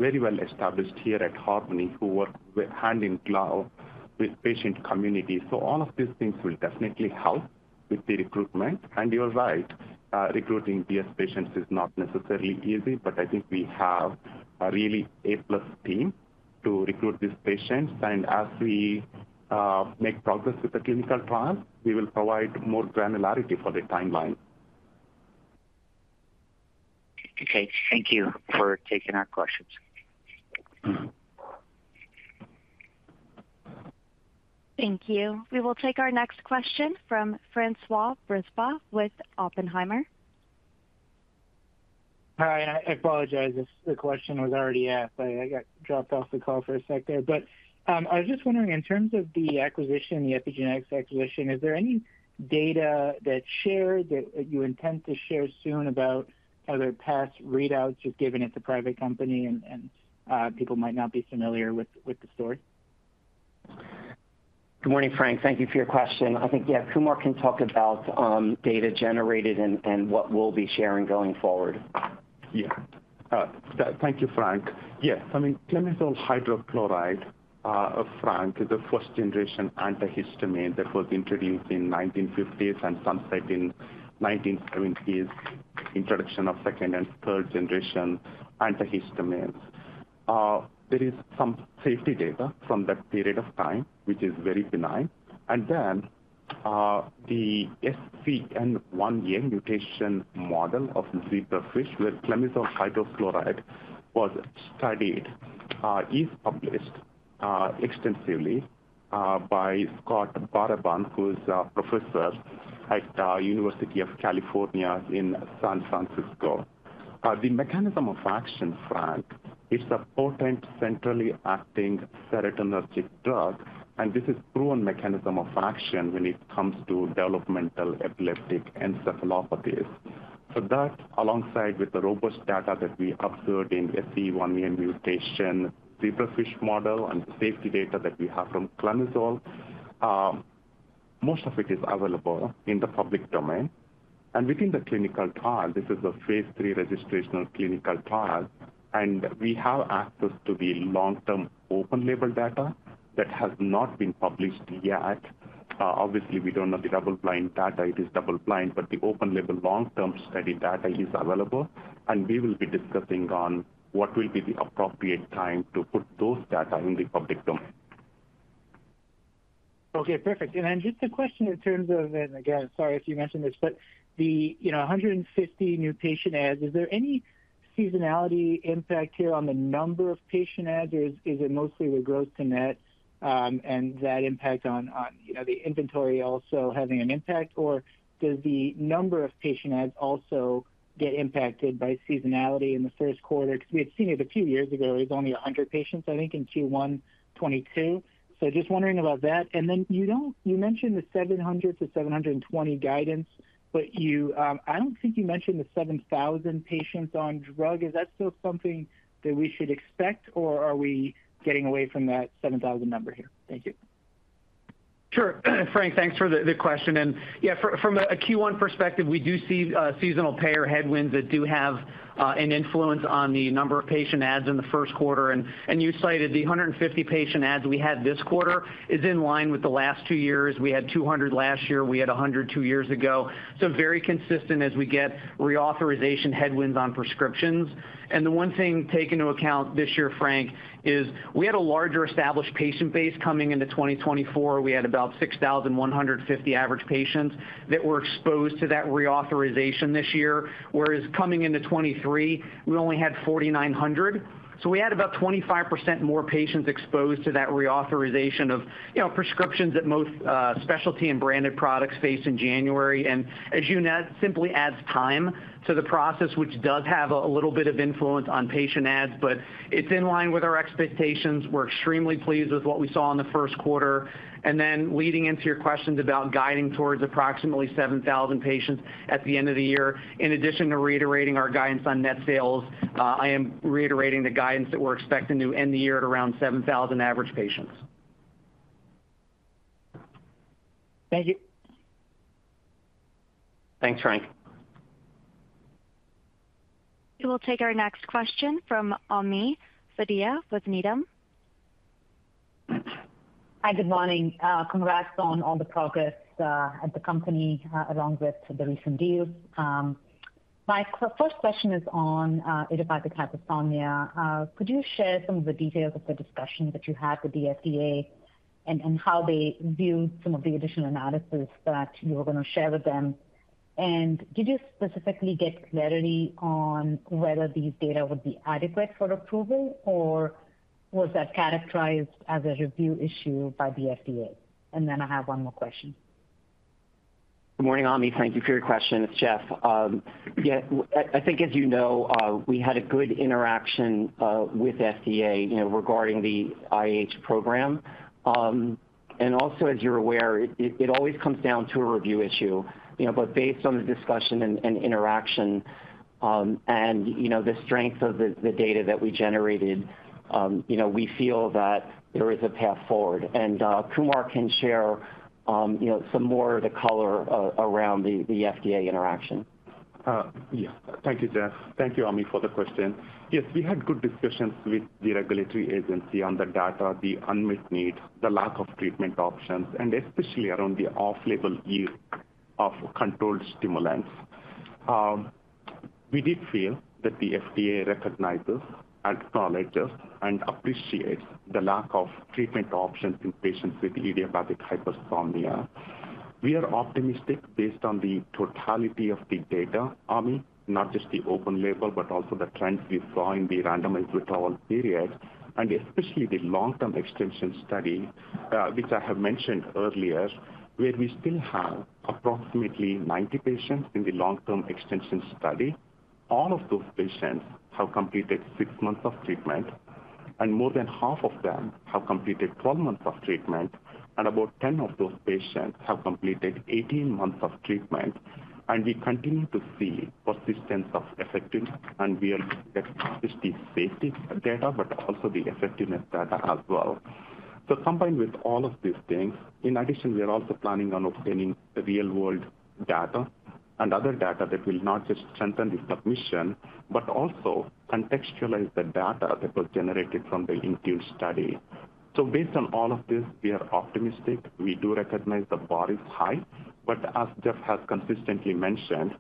very well established here at Harmony, who work hand-in-hand with patient communities. So all of these things will definitely help with the recruitment. And you're right. Recruiting DS patients is not necessarily easy, but I think we have a really A-plus team to recruit these patients. And as we make progress with the clinical trial, we will provide more granularity for the timeline. Okay. Thank you for taking our questions. Thank you. We will take our next question from François Brisebois with Oppenheimer. Hi. And I apologize if the question was already asked. I got dropped off the call for a sec there. But I was just wondering, in terms of the acquisition, the Epygenix acquisition, is there any data that's shared that you intend to share soon about other past readouts, just given it's a private company and people might not be familiar with the story? Good morning, Frank. Thank you for your question. I think, yeah, Kumar can talk about data generated and what we'll be sharing going forward. Yeah. Thank you, Frank. Yes. I mean, clemizole hydrochloride, Frank, is a first-generation antihistamine that was introduced in the 1950s and sunset in the 1970s, introduction of second- and third-generation antihistamines. There is some safety data from that period of time, which is very benign. And then the SCN1A mutation model of zebrafish, where clemizole hydrochloride was studied, is published extensively by Scott Baraban, who's a professor at the University of California in San Francisco. The mechanism of action, Frank, is a potent centrally acting serotonergic drug. And this is a proven mechanism of action when it comes to developmental epileptic encephalopathies. So that, alongside with the robust data that we observed in the SCN1A mutation zebrafish model and the safety data that we have from clemizole, most of it is available in the public domain. And within the clinical trial, this is a phase III registrational clinical trial. We have access to the long-term open-label data that has not been published yet. Obviously, we don't know the double-blind data. It is double-blind, but the open-label long-term study data is available. And we will be discussing on what will be the appropriate time to put those data in the public domain. Okay. Perfect. And then just a question in terms of and again, sorry if you mentioned this, but the 150 new patient adds, is there any seasonality impact here on the number of patient adds, or is it mostly the growth to net and that impact on the inventory also having an impact? Or does the number of patient adds also get impacted by seasonality in the Q1? Because we had seen it a few years ago. It was only 100 patients, I think, in Q1 2022. So just wondering about that. Then you mentioned the 700-720 guidance, but I don't think you mentioned the 7,000 patients on drug. Is that still something that we should expect, or are we getting away from that 7,000 number here? Thank you. Sure. Frank, thanks for the question. And yeah, from a Q1 perspective, we do see seasonal payer headwinds that do have an influence on the number of patient ads in the Q1. And you cited the 150 patient ads we had this quarter is in line with the last two years. We had 200 last year. We had 100 two years ago. So very consistent as we get reauthorization headwinds on prescriptions. And the one thing taken into account this year, Frank, is we had a larger established patient base coming into 2024. We had about 6,150 average patients that were exposed to that reauthorization this year, whereas coming into 2023, we only had 4,900. So we had about 25% more patients exposed to that reauthorization of prescriptions that most specialty and branded products face in January. And as you know, that simply adds time to the process, which does have a little bit of influence on patient ads, but it's in line with our expectations. We're extremely pleased with what we saw in the Q1. And then leading into your questions about guiding towards approximately 7,000 patients at the end of the year, in addition to reiterating our guidance on net sales, I am reiterating the guidance that we're expecting to end the year at around 7,000 average patients. Thank you. Thanks, Frank. We will take our next question from Ami Fadia with Needham. Hi. Good morning. Congrats on all the progress at the company along with the recent deals. My first question is on idiopathic hypersomnia. Could you share some of the details of the discussion that you had with the FDA and how they viewed some of the additional analysis that you were going to share with them? And did you specifically get clarity on whether these data would be adequate for approval, or was that characterized as a review issue by the FDA? And then I have one more question. Good morning, Ami. Thank you for your question. It's Jeff. Yeah, I think, as you know, we had a good interaction with the FDA regarding the IH program. And also, as you're aware, it always comes down to a review issue. But based on the discussion and interaction and the strength of the data that we generated, we feel that there is a path forward. And Kumar can share some more of the color around the FDA interaction. Yeah. Thank you, Jeff. Thank you, Ami, for the question. Yes, we had good discussions with the regulatory agency on the data, the unmet need, the lack of treatment options, and especially around the off-label use of controlled stimulants. We did feel that the FDA recognizes, acknowledges, and appreciates the lack of treatment options in patients with idiopathic hypersomnia. We are optimistic based on the totality of the data, Ami, not just the open label, but also the trends we saw in the randomized withdrawal period, and especially the long-term extension study, which I have mentioned earlier, where we still have approximately 90 patients in the long-term extension study. All of those patients have completed six months of treatment, and more than half of them have completed 12 months of treatment. About 10 of those patients have completed 18 months of treatment. We continue to see persistence of effectiveness. We are looking at not just the safety data, but also the effectiveness data as well. Combined with all of these things, in addition, we are also planning on obtaining real-world data and other data that will not just strengthen the submission, but also contextualize the data that was generated from the induced study. Based on all of this, we are optimistic. We do recognize the bar is high. But as Jeff has consistently mentioned,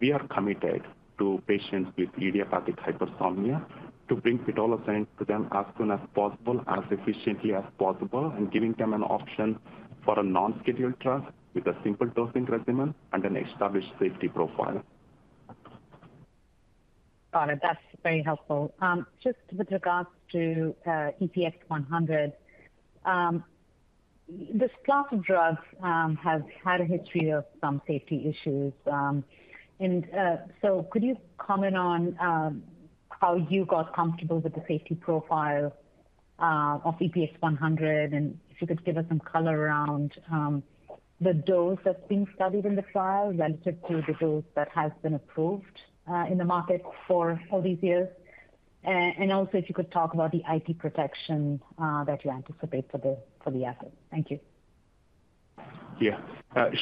we are committed to patients with idiopathic hypersomnia to bring pitolisant to them as soon as possible, as efficiently as possible, and giving them an option for a non-scheduled drug with a simple dosing regimen and an established safety profile. Got it. That's very helpful. Just with regards to EPX-100, this class of drugs has had a history of some safety issues. And so could you comment on how you got comfortable with the safety profile of EPX-100, and if you could give us some color around the dose that's being studied in the trial relative to the dose that has been approved in the market for all these years? And also, if you could talk about the IP protection that you anticipate for the asset. Thank you. Yeah.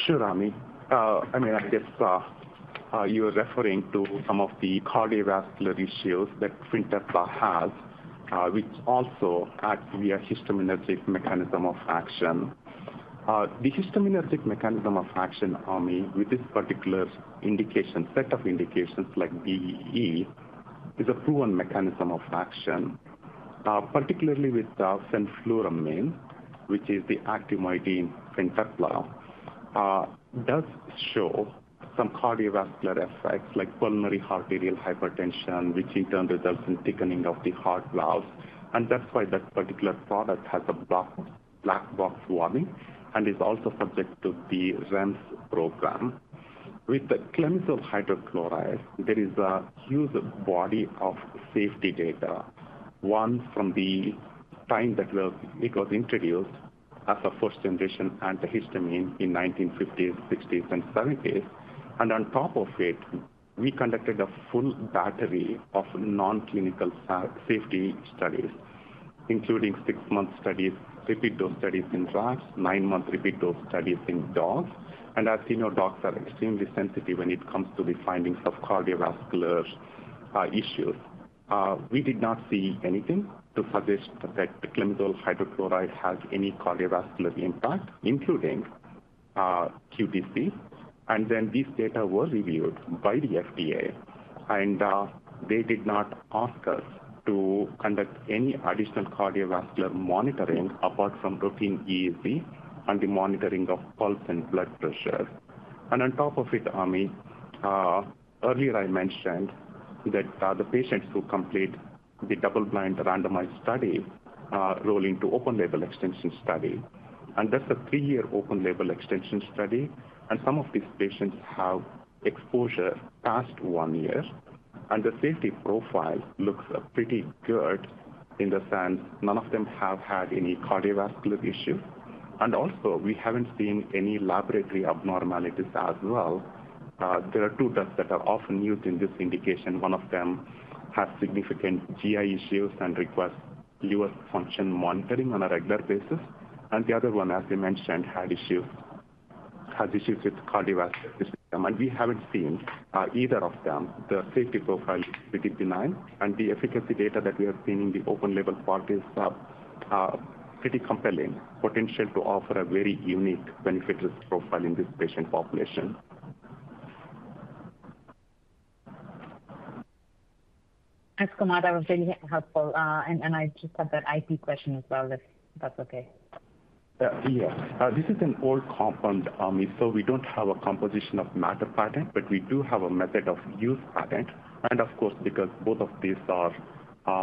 Sure, Ami. I mean, I guess you were referring to some of the cardiovascular issues that Fintepla has, which also acts via a serotonergic mechanism of action. The serotonergic mechanism of action with this particular set of indications is a proven mechanism of action, particularly with the fenfluramine, which is the active ingredient in Fintepla, does show some cardiovascular effects like pulmonary arterial hypertension, which in turn results in thickening of the heart valves. That's why that particular product has a black box warning and is also subject to the REMS program. With the clemizole hydrochloride, there is a huge body of safety data from the time that it was introduced as a first-generation antihistamine in the 1950s, 1960s, and 1970s. On top of it, we conducted a full battery of non-clinical safety studies, including six-month studies, repeat dose studies in rats, nine-month repeat dose studies in dogs. As you know, dogs are extremely sensitive when it comes to the findings of cardiovascular issues. We did not see anything to suggest that the clemizole hydrochloride has any cardiovascular impact, including QTc. And then these data were reviewed by the FDA. And they did not ask us to conduct any additional cardiovascular monitoring apart from routine EEG and the monitoring of pulse and blood pressure. And on top of it, Ami, earlier, I mentioned that the patients who complete the double-blind randomized study roll into open-label extension study. And that's a three-year open-label extension study. And some of these patients have exposure past one year. And the safety profile looks pretty good in the sense none of them have had any cardiovascular issues. And also, we haven't seen any laboratory abnormalities as well. There are two drugs that are often used in this indication. One of them has significant GI issues and requests liver function monitoring on a regular basis. The other one, as I mentioned, has issues with the cardiovascular system. We haven't seen either of them. The safety profile is pretty benign. The efficacy data that we have seen in the open-label part is pretty compelling, potential to offer a very unique benefit-risk profile in this patient population. Thanks, Kumar. That was really helpful. I just had that IP question as well, if that's okay. Yeah. This is an old compound, Ami. So we don't have a composition of matter patent, but we do have a method of use patent. Of course, because both of these are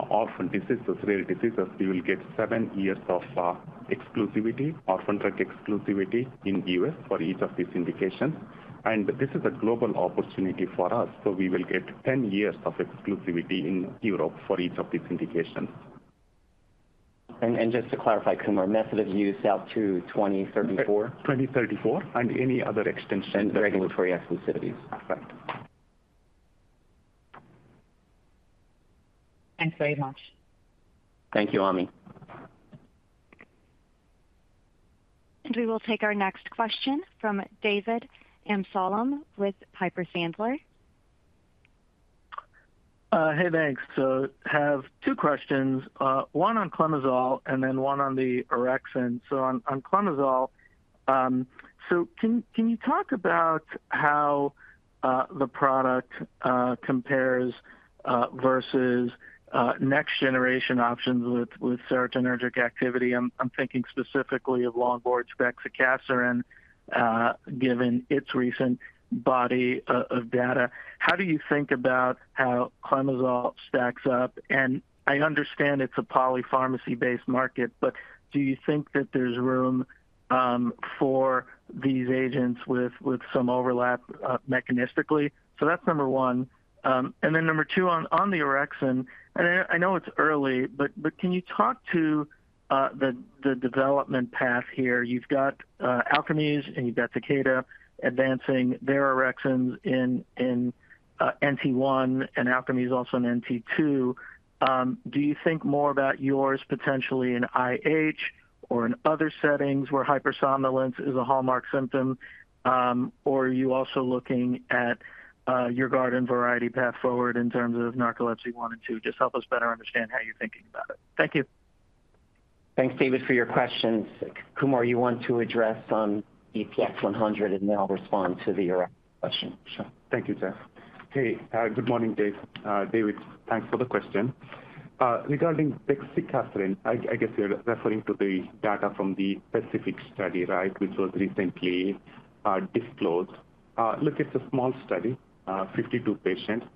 orphan diseases, rare diseases, we will get seven years of orphan drug exclusivity in the U.S. for each of these indications. This is a global opportunity for us. So we will get 10 years of exclusivity in Europe for each of these indications. And just to clarify, Kumar, method of use out to 2034? 2034 and any other extension that we have. And the regulatory exclusivities. Perfect. Thanks very much. Thank you, Ami. And we will take our next question from David Amsellem with Piper Sandler. Hey, thanks. So I have two questions, one on clemizole and then one on the orexin. So on clemizole, so can you talk about how the product compares versus next-generation options with serotonergic activity? I'm thinking specifically of Longboard bexicaserin given its recent body of data. How do you think about how clemizole stacks up? And I understand it's a polypharmacy-based market, but do you think that there's room for these agents with some overlap mechanistically? So that's number one. And then number two, on the orexin, and I know it's early, but can you talk to the development path here? You've got Alkermes and you've got Takeda advancing their orexins in NT1 and Alkermes also in NT2. Do you think more about yours potentially in IH or in other settings where hypersomnolence is a hallmark symptom, or are you also looking at your garden variety path forward in terms of narcolepsy 1 and 2? Just help us better understand how you're thinking about it. Thank you. Thanks, David, for your questions. Kumar, you want to address on EPX-100, and then I'll respond to the orexin question, sure. Thank you, Jeff. Hey, good morning, David. David, thanks for the question. Regarding EPX-100, I guess you're referring to the data from the specific study, right, which was recently disclosed. Look, it's a small study, 52 patients.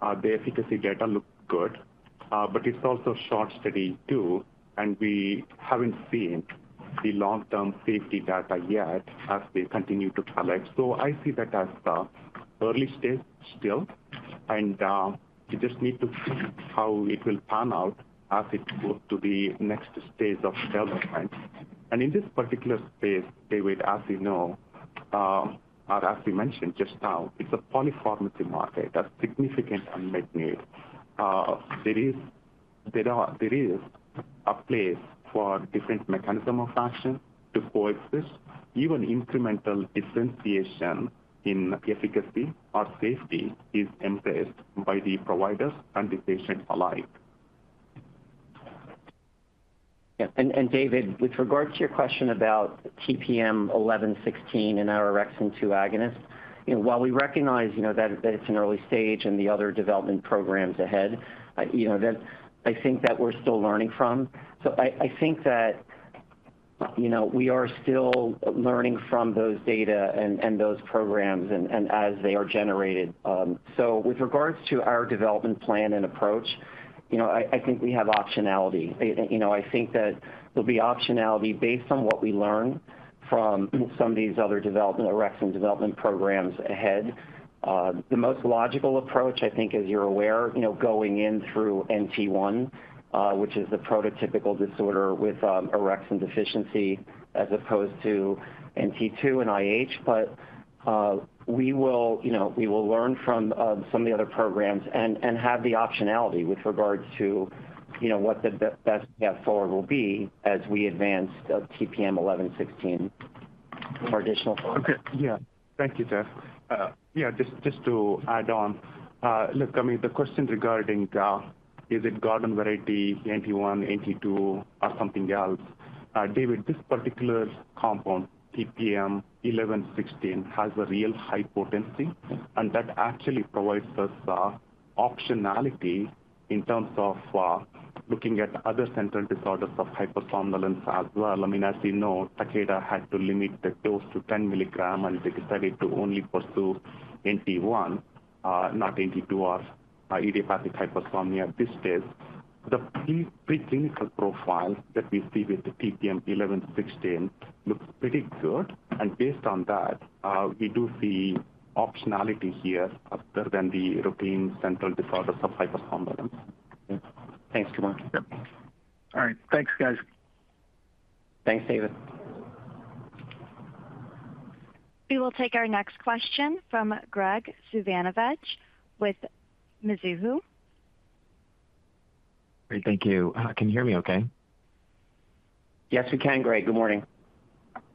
The efficacy data looked good. But it's also a short study too, and we haven't seen the long-term safety data yet as they continue to collect. So I see that as early stage still. And we just need to see how it will pan out as it goes to the next stage of development. And in this particular space, David, as you know, or as we mentioned just now, it's a polypharmacy market. That's significant unmet need. There is a place for different mechanisms of action to coexist. Even incremental differentiation in efficacy or safety is embraced by the providers and the patients alike. Yeah. And David, with regard to your question about TPM-1116 and our orexin-2 agonist, while we recognize that it's an early stage and the other development programs ahead, I think that we're still learning from. So I think that we are still learning from those data and those programs as they are generated. So with regards to our development plan and approach, I think we have optionality. I think that there'll be optionality based on what we learn from some of these other orexin development programs ahead. The most logical approach, I think, as you're aware, going in through NT1, which is the prototypical disorder with orexin deficiency as opposed to NT2 and IH. But we will learn from some of the other programs and have the optionality with regards to what the best path forward will be as we advance TPM-1116 for additional follow-up. Okay. Yeah. Thank you, Jeff. Yeah, just to add on. Look, Ami, the question regarding is it garden variety, NT1, NT2, or something else? David, this particular compound, TPM-1116, has a real high potency. And that actually provides us optionality in terms of looking at other central disorders of hypersomnolence as well. I mean, as you know, Takeda had to limit the dose to 10 milligrams, and they decided to only pursue NT1, not NT2, or idiopathic hypersomnia at this stage. The preclinical profile that we see with the TPM-1116 looks pretty good. And based on that, we do see optionality here other than the routine central disorders of hypersomnolence. Thanks, Kumar. All right. Thanks, guys. Thanks, David. We will take our next question from Graig Suvannavejh with Mizuho. Great. Thank you. Can you hear me okay? Yes, we can. Great. Good morning.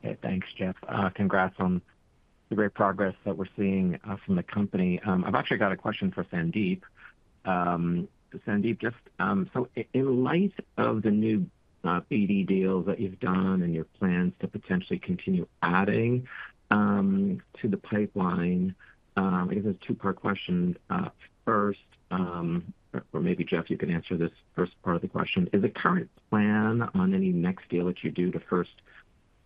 Okay. Thanks, Jeff. Congrats on the great progress that we're seeing from the company. I've actually got a question for Sandip. Sandip, just so in light of the new BD deals that you've done and your plans to potentially continue adding to the pipeline, I guess it's a two-part question. First, or maybe, Jeff, you can answer this first part of the question. Is the current plan on any next deal that you do to first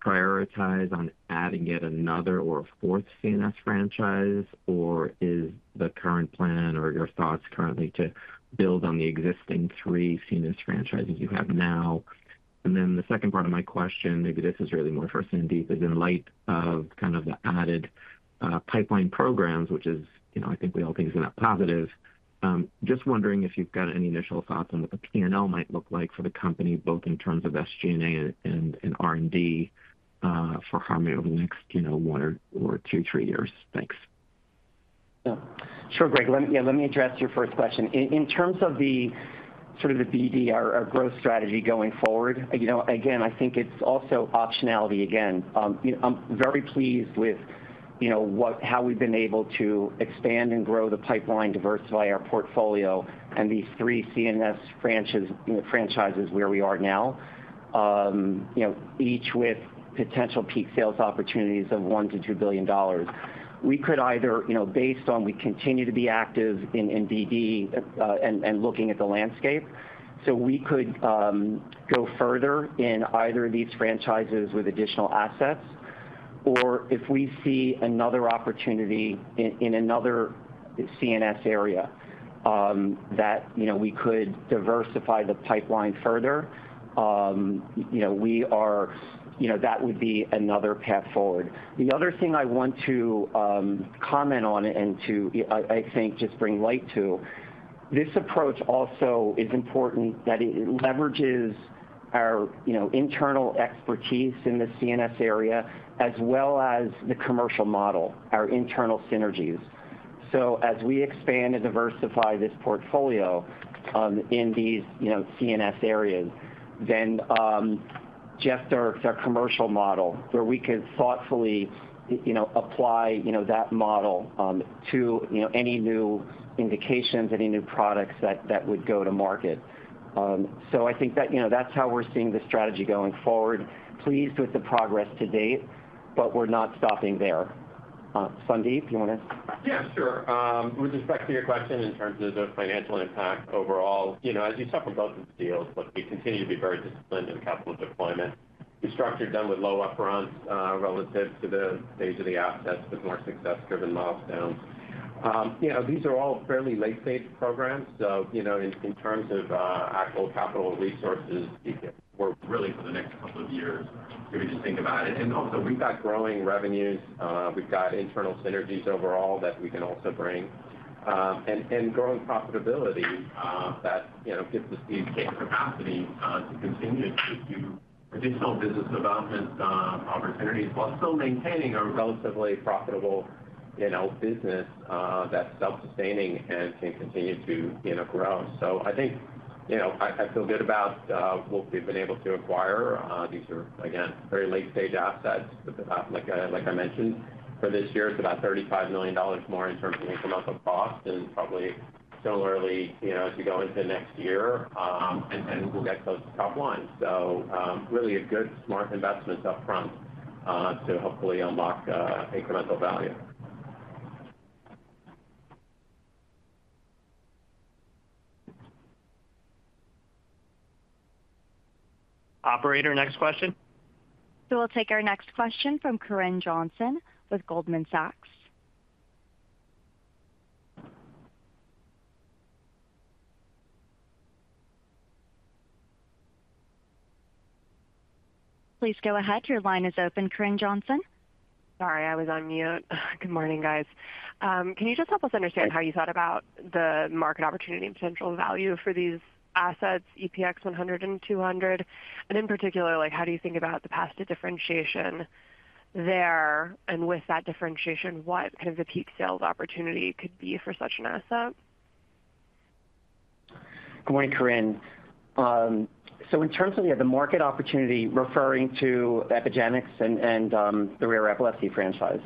prioritize on adding yet another or a fourth CNS franchise, or is the current plan or your thoughts currently to build on the existing three CNS franchises you have now? Then the second part of my question, maybe this is really more for Sandip, is in light of kind of the added pipeline programs, which is, I think, we all think is in a positive, just wondering if you've got any initial thoughts on what the P&L might look like for the company, both in terms of SG&A and R&D for Harmony over the next one or two, three years. Thanks. Sure, Greg. Yeah, let me address your first question. In terms of sort of the BD, our growth strategy going forward, again, I think it's also optionality again. I'm very pleased with how we've been able to expand and grow the pipeline, diversify our portfolio, and these three CNS franchises where we are now, each with potential peak sales opportunities of $1 billion-$2 billion. We could either, based on we continue to be active in BD and looking at the landscape, so we could go further in either of these franchises with additional assets, or if we see another opportunity in another CNS area that we could diversify the pipeline further, we are that would be another path forward. The other thing I want to comment on and to, I think, just bring light to, this approach also is important that it leverages our internal expertise in the CNS area as well as the commercial model, our internal synergies. So as we expand and diversify this portfolio in these CNS areas, then just our commercial model where we could thoughtfully apply that model to any new indications, any new products that would go to market. So I think that's how we're seeing the strategy going forward. Pleased with the progress to date, but we're not stopping there. Sandip, you want to? Yeah, sure. With respect to your question in terms of the financial impact overall, as you saw from both of the deals, look, we continue to be very disciplined in capital deployment. We've structured them with low upfront relative to the stage of the assets with more success-driven milestones. These are all fairly late-stage programs. So in terms of actual capital resources, we're really for the next couple of years if you just think about it. And also, we've got growing revenues. We've got internal synergies overall that we can also bring and growing profitability that gives us the capacity to continue to do additional business development opportunities while still maintaining a relatively profitable business that's self-sustaining and can continue to grow. So I think I feel good about what we've been able to acquire. These are, again, very late-stage assets. Like I mentioned, for this year, it's about $35 million more in terms of incremental cost and probably similarly as you go into next year, and we'll get those top lines. So really a good, smart investment upfront to hopefully unlock incremental value. Operator, next question. We will take our next question from Corinne Johnson with Goldman Sachs. Please go ahead. Your line is open, Corinne Johnson. Sorry, I was on mute. Good morning, guys. Can you just help us understand how you thought about the market opportunity and potential value for these assets, EPX-100 and 200? And in particular, how do you think about the vast differentiation there? And with that differentiation, what kind of the peak sales opportunity could be for such an asset? Good morning, Corinne. So in terms of the market opportunity, referring to Epygenix and the rare epilepsy franchise,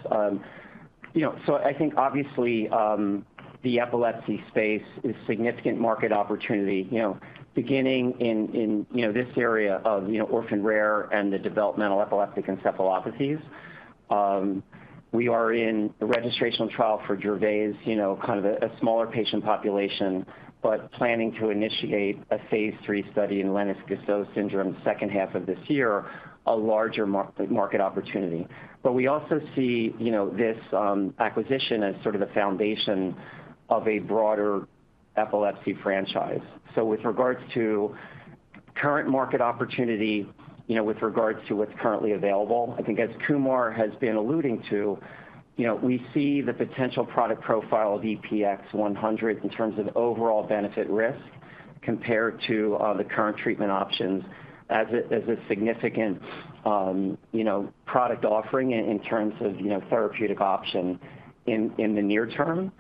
so I think, obviously, the epilepsy space is significant market opportunity beginning in this area of orphan rare and the developmental epileptic encephalopathies. We are in the registration trial for Dravet, kind of a smaller patient population, but planning to initiate a phase III study in Lennox-Gastaut syndrome second half of this year, a larger market opportunity. But we also see this acquisition as sort of the foundation of a broader epilepsy franchise. So with regards to current market opportunity with regards to what's currently available, I think as Kumar has been alluding to, we see the potential product profile of EPX-100 in terms of overall benefit-risk compared to the current treatment options as a significant product offering in terms of therapeutic option in the near term.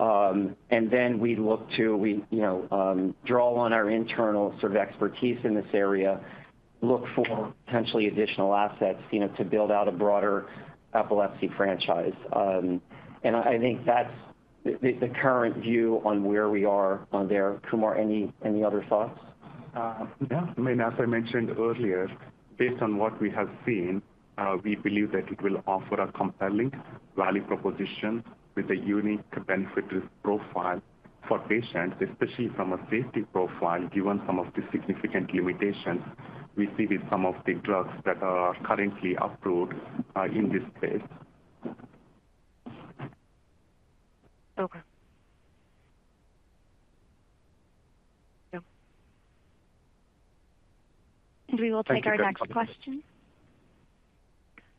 And then we look to draw on our internal sort of expertise in this area, look for potentially additional assets to build out a broader epilepsy franchise. And I think that's the current view on where we are on there. Kumar, any other thoughts? Yeah. I mean, as I mentioned earlier, based on what we have seen, we believe that it will offer a compelling value proposition with a unique benefit-risk profile for patients, especially from a safety profile given some of the significant limitations we see with some of the drugs that are currently approved in this space. Okay. Yeah. And we will take our next question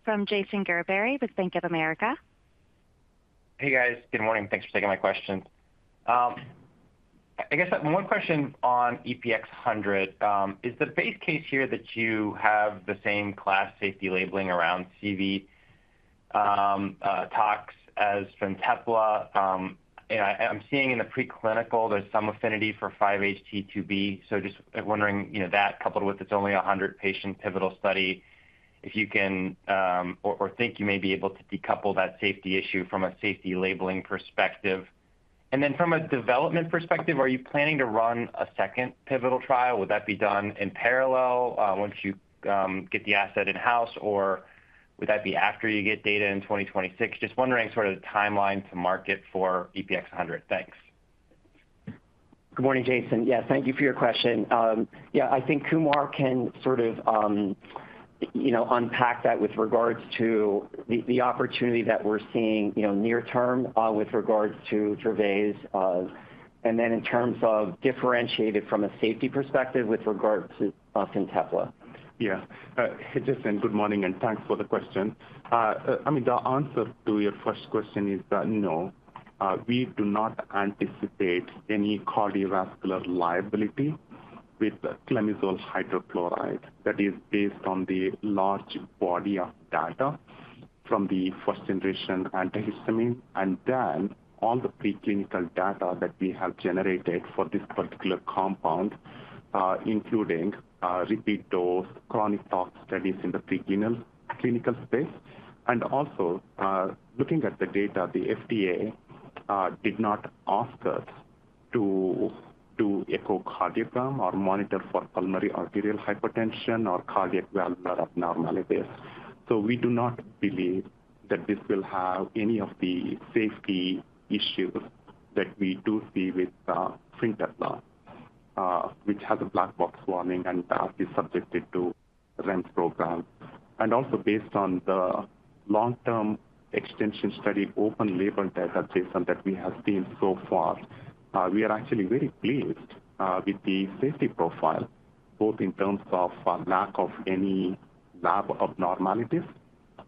from Jason Gerberry with Bank of America. Hey, guys. Good morning. Thanks for taking my question. I guess one question on EPX-100. Is the base case here that you have the same class safety labeling around CV tox as Fintepla? I'm seeing in the preclinical, there's some affinity for 5-HT2B. So just wondering that coupled with it's only a 100-patient pivotal study, if you can or think you may be able to decouple that safety issue from a safety labeling perspective. And then from a development perspective, are you planning to run a second pivotal trial? Would that be done in parallel once you get the asset in-house, or would that be after you get data in 2026? Just wondering sort of the timeline to market for EPX-100. Thanks. Good morning, Jason. Yeah, thank you for your question. Yeah, I think Kumar can sort of unpack that with regards to the opportunity that we're seeing near-term with regards to Dravet. And then in terms of differentiated from a safety perspective with regards to Fintepla. Yeah. Jason, good morning, and thanks for the question. I mean, the answer to your first question is that no. We do not anticipate any cardiovascular liability with clemizole hydrochloride. That is based on the large body of data from the first-generation antihistamine and then all the preclinical data that we have generated for this particular compound, including repeat dose, chronic tox studies in the preclinical space. And also, looking at the data, the FDA did not require to do echocardiogram or monitor for pulmonary arterial hypertension or cardiac valvular abnormalities. So we do not believe that this will have any of the safety issues that we do see with Fintepla, which has a black box warning and is subjected to REMS programs. And also, based on the long-term extension study open-label data, Jason, that we have seen so far, we are actually very pleased with the safety profile, both in terms of lack of any lab abnormalities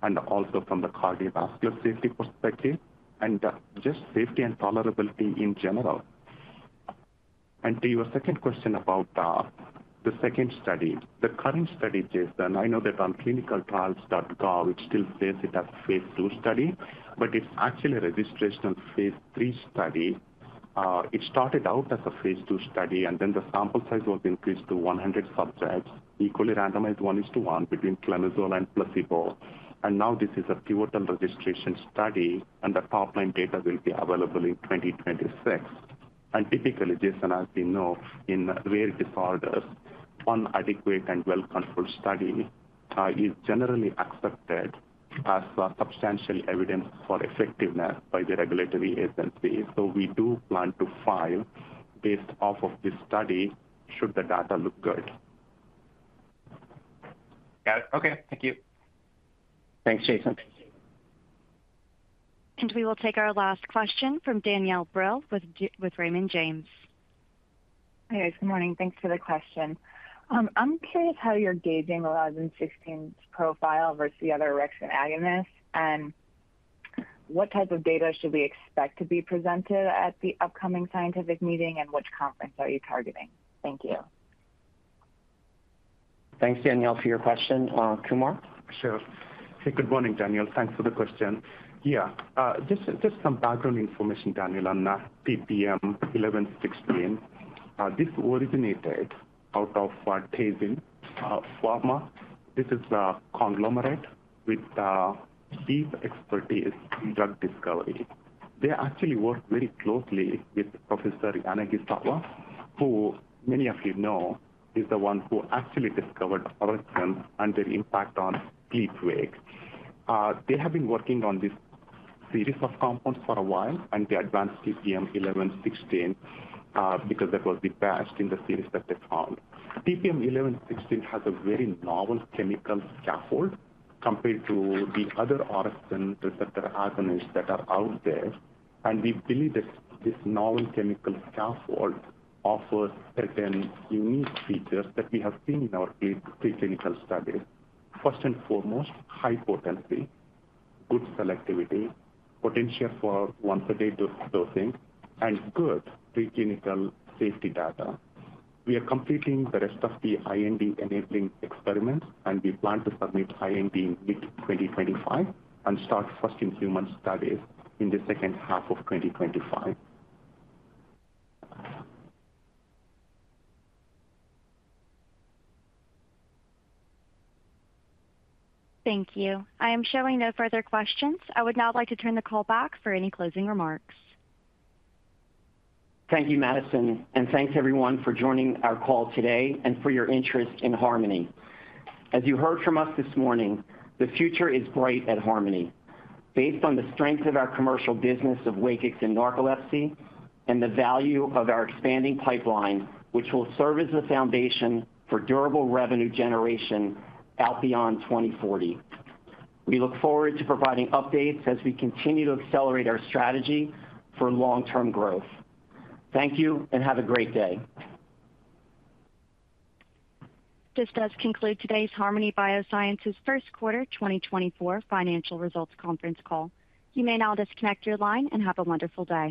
and also from the cardiovascular safety perspective and just safety and tolerability in general. And to your second question about the second study, the current study, Jason, I know that on clinicaltrials.gov, it still says it as phase II study, but it's actually a registration phase III study. It started out as a phase II study, and then the sample size was increased to 100 subjects, equally randomized 1:1 between clemizole and placebo. And now this is a pivotal registration study, and the top-line data will be available in 2026. And typically, Jason, as you know, in rare disorders, one adequate and well-controlled study is generally accepted as substantial evidence for effectiveness by the regulatory agencies. So we do plan to file based off of this study should the data look good. Got it. Okay. Thank you. Thanks, Jason. Thanks, Jason. And we will take our last question from Danielle Brill with Raymond James. Hi, guys. Good morning. Thanks for the question. I'm curious how you're gauging the TPM-1116 profile versus the other orexin agonists, and what type of data should we expect to be presented at the upcoming scientific meeting, and which conference are you targeting? Thank you. Thanks, Danielle, for your question. Kumar? Sure. Hey, good morning, Danielle. Thanks for the question. Yeah, just some background information, Danielle. On TPM-1116, this originated out of Teijin Pharma. This is a conglomerate with deep expertise in drug discovery. They actually worked very closely with Professor Yanagisawa, who many of you know is the one who actually discovered orexins and their impact on sleep-wake. They have been working on this series of compounds for a while, and they advanced TPM-1116 because that was the best in the series that they found. TPM-1116 has a very novel chemical scaffold compared to the other orexins and receptor agonists that are out there. And we believe that this novel chemical scaffold offers certain unique features that we have seen in our preclinical studies. First and foremost, high potency, good selectivity, potential for once-a-day dosing, and good preclinical safety data. We are completing the rest of the IND-enabling experiments, and we plan to submit IND mid-2025 and start first-in-human studies in the second half of 2025. Thank you. I am showing no further questions. I would now like to turn the call back for any closing remarks. Thank you, Madison. Thanks, everyone, for joining our call today and for your interest in Harmony. As you heard from us this morning, the future is bright at Harmony, based on the strength of our commercial business of WAKIX and narcolepsy and the value of our expanding pipeline, which will serve as the foundation for durable revenue generation out beyond 2040. We look forward to providing updates as we continue to accelerate our strategy for long-term growth. Thank you, and have a great day. This does conclude today's Harmony Biosciences Q1 2024 Financial Results Conference call. You may now disconnect your line and have a wonderful day.